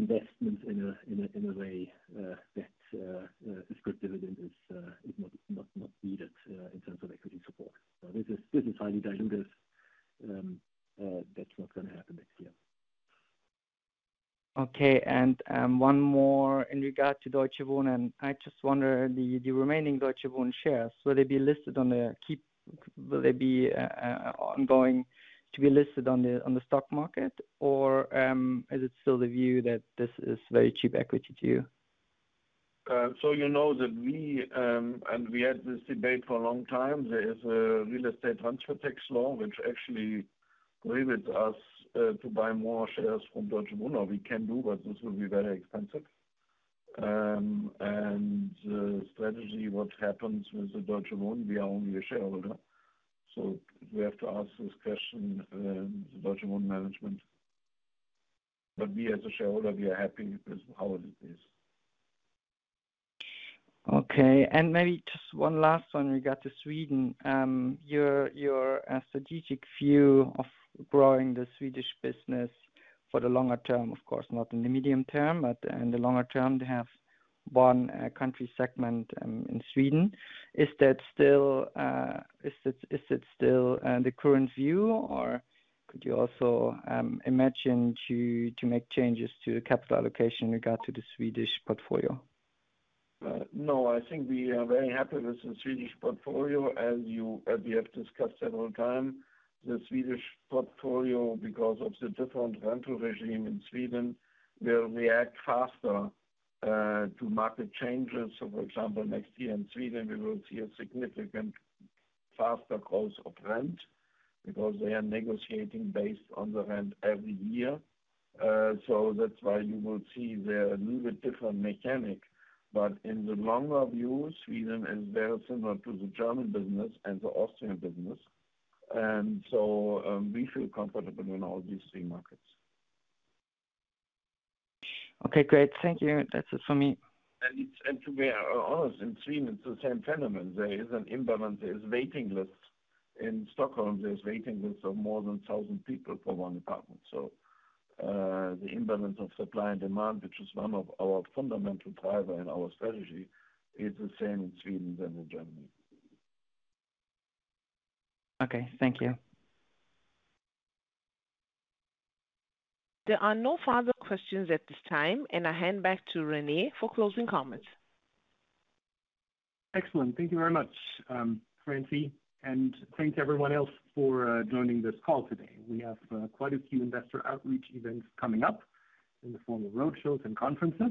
investments in a way that a scrip dividend is not needed in terms of equity support. This is highly dilutive. That's not gonna happen this year. Okay. One more in regard to Deutsche Wohnen. I just wonder, the remaining Deutsche Wohnen shares, will they be ongoing to be listed on the stock market? Or, is it still the view that this is very cheap equity to you? You know that we had this debate for a long time. There is a real estate transfer tax law, which actually prohibits us to buy more shares from Deutsche Wohnen. We can do, but this will be very expensive. The strategy, what happens with the Deutsche Wohnen, we are only a shareholder, so we have to ask this question, the Deutsche Wohnen management. We as a shareholder, we are happy with how it is. Okay. Maybe just one last one regard to Sweden. Your strategic view of growing the Swedish business for the longer term, of course, not in the medium term, but in the longer term, to have one country segment in Sweden. Is that still the current view? Or could you also imagine to make changes to the capital allocation regard to the Swedish portfolio? No, I think we are very happy with the Swedish portfolio. As we have discussed several times, the Swedish portfolio, because of the different rental regime in Sweden, will react faster to market changes. For example, next year in Sweden we will see a significant faster growth of rent because they are negotiating based on the rent every year. That's why you will see there a little bit different mechanic. In the longer view, Sweden is very similar to the German business and the Austrian business. We feel comfortable in all these three markets. Okay, great. Thank you. That's it for me. To be honest, in Sweden it's the same phenomenon. There is an imbalance. There is waiting lists. In Stockholm, there's waiting lists of more than 1,000 people for one apartment. The imbalance of supply and demand, which is one of our fundamental driver in our strategy, is the same in Sweden than in Germany. Okay. Thank you. There are no further questions at this time, and I hand back to Rene for closing comments. Excellent. Thank you very much, Frankie, and thanks everyone else for joining this call today. We have quite a few investor outreach events coming up in the form of roadshows and conferences.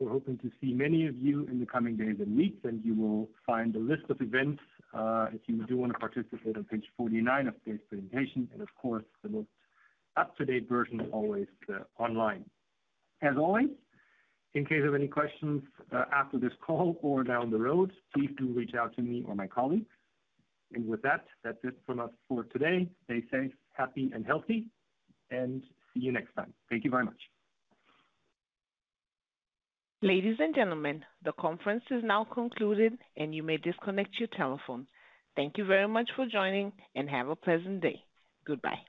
We're hoping to see many of you in the coming days and weeks, and you will find a list of events, if you do want to participate on page 49 of today's presentation, and of course, the most up-to-date version always online. As always, in case of any questions, after this call or down the road, please do reach out to me or my colleagues. With that's it from us for today. Stay safe, happy and healthy, and see you next time. Thank you very much. Ladies and gentlemen, the conference is now concluded and you may disconnect your telephone. Thank you very much for joining and have a pleasant day. Goodbye.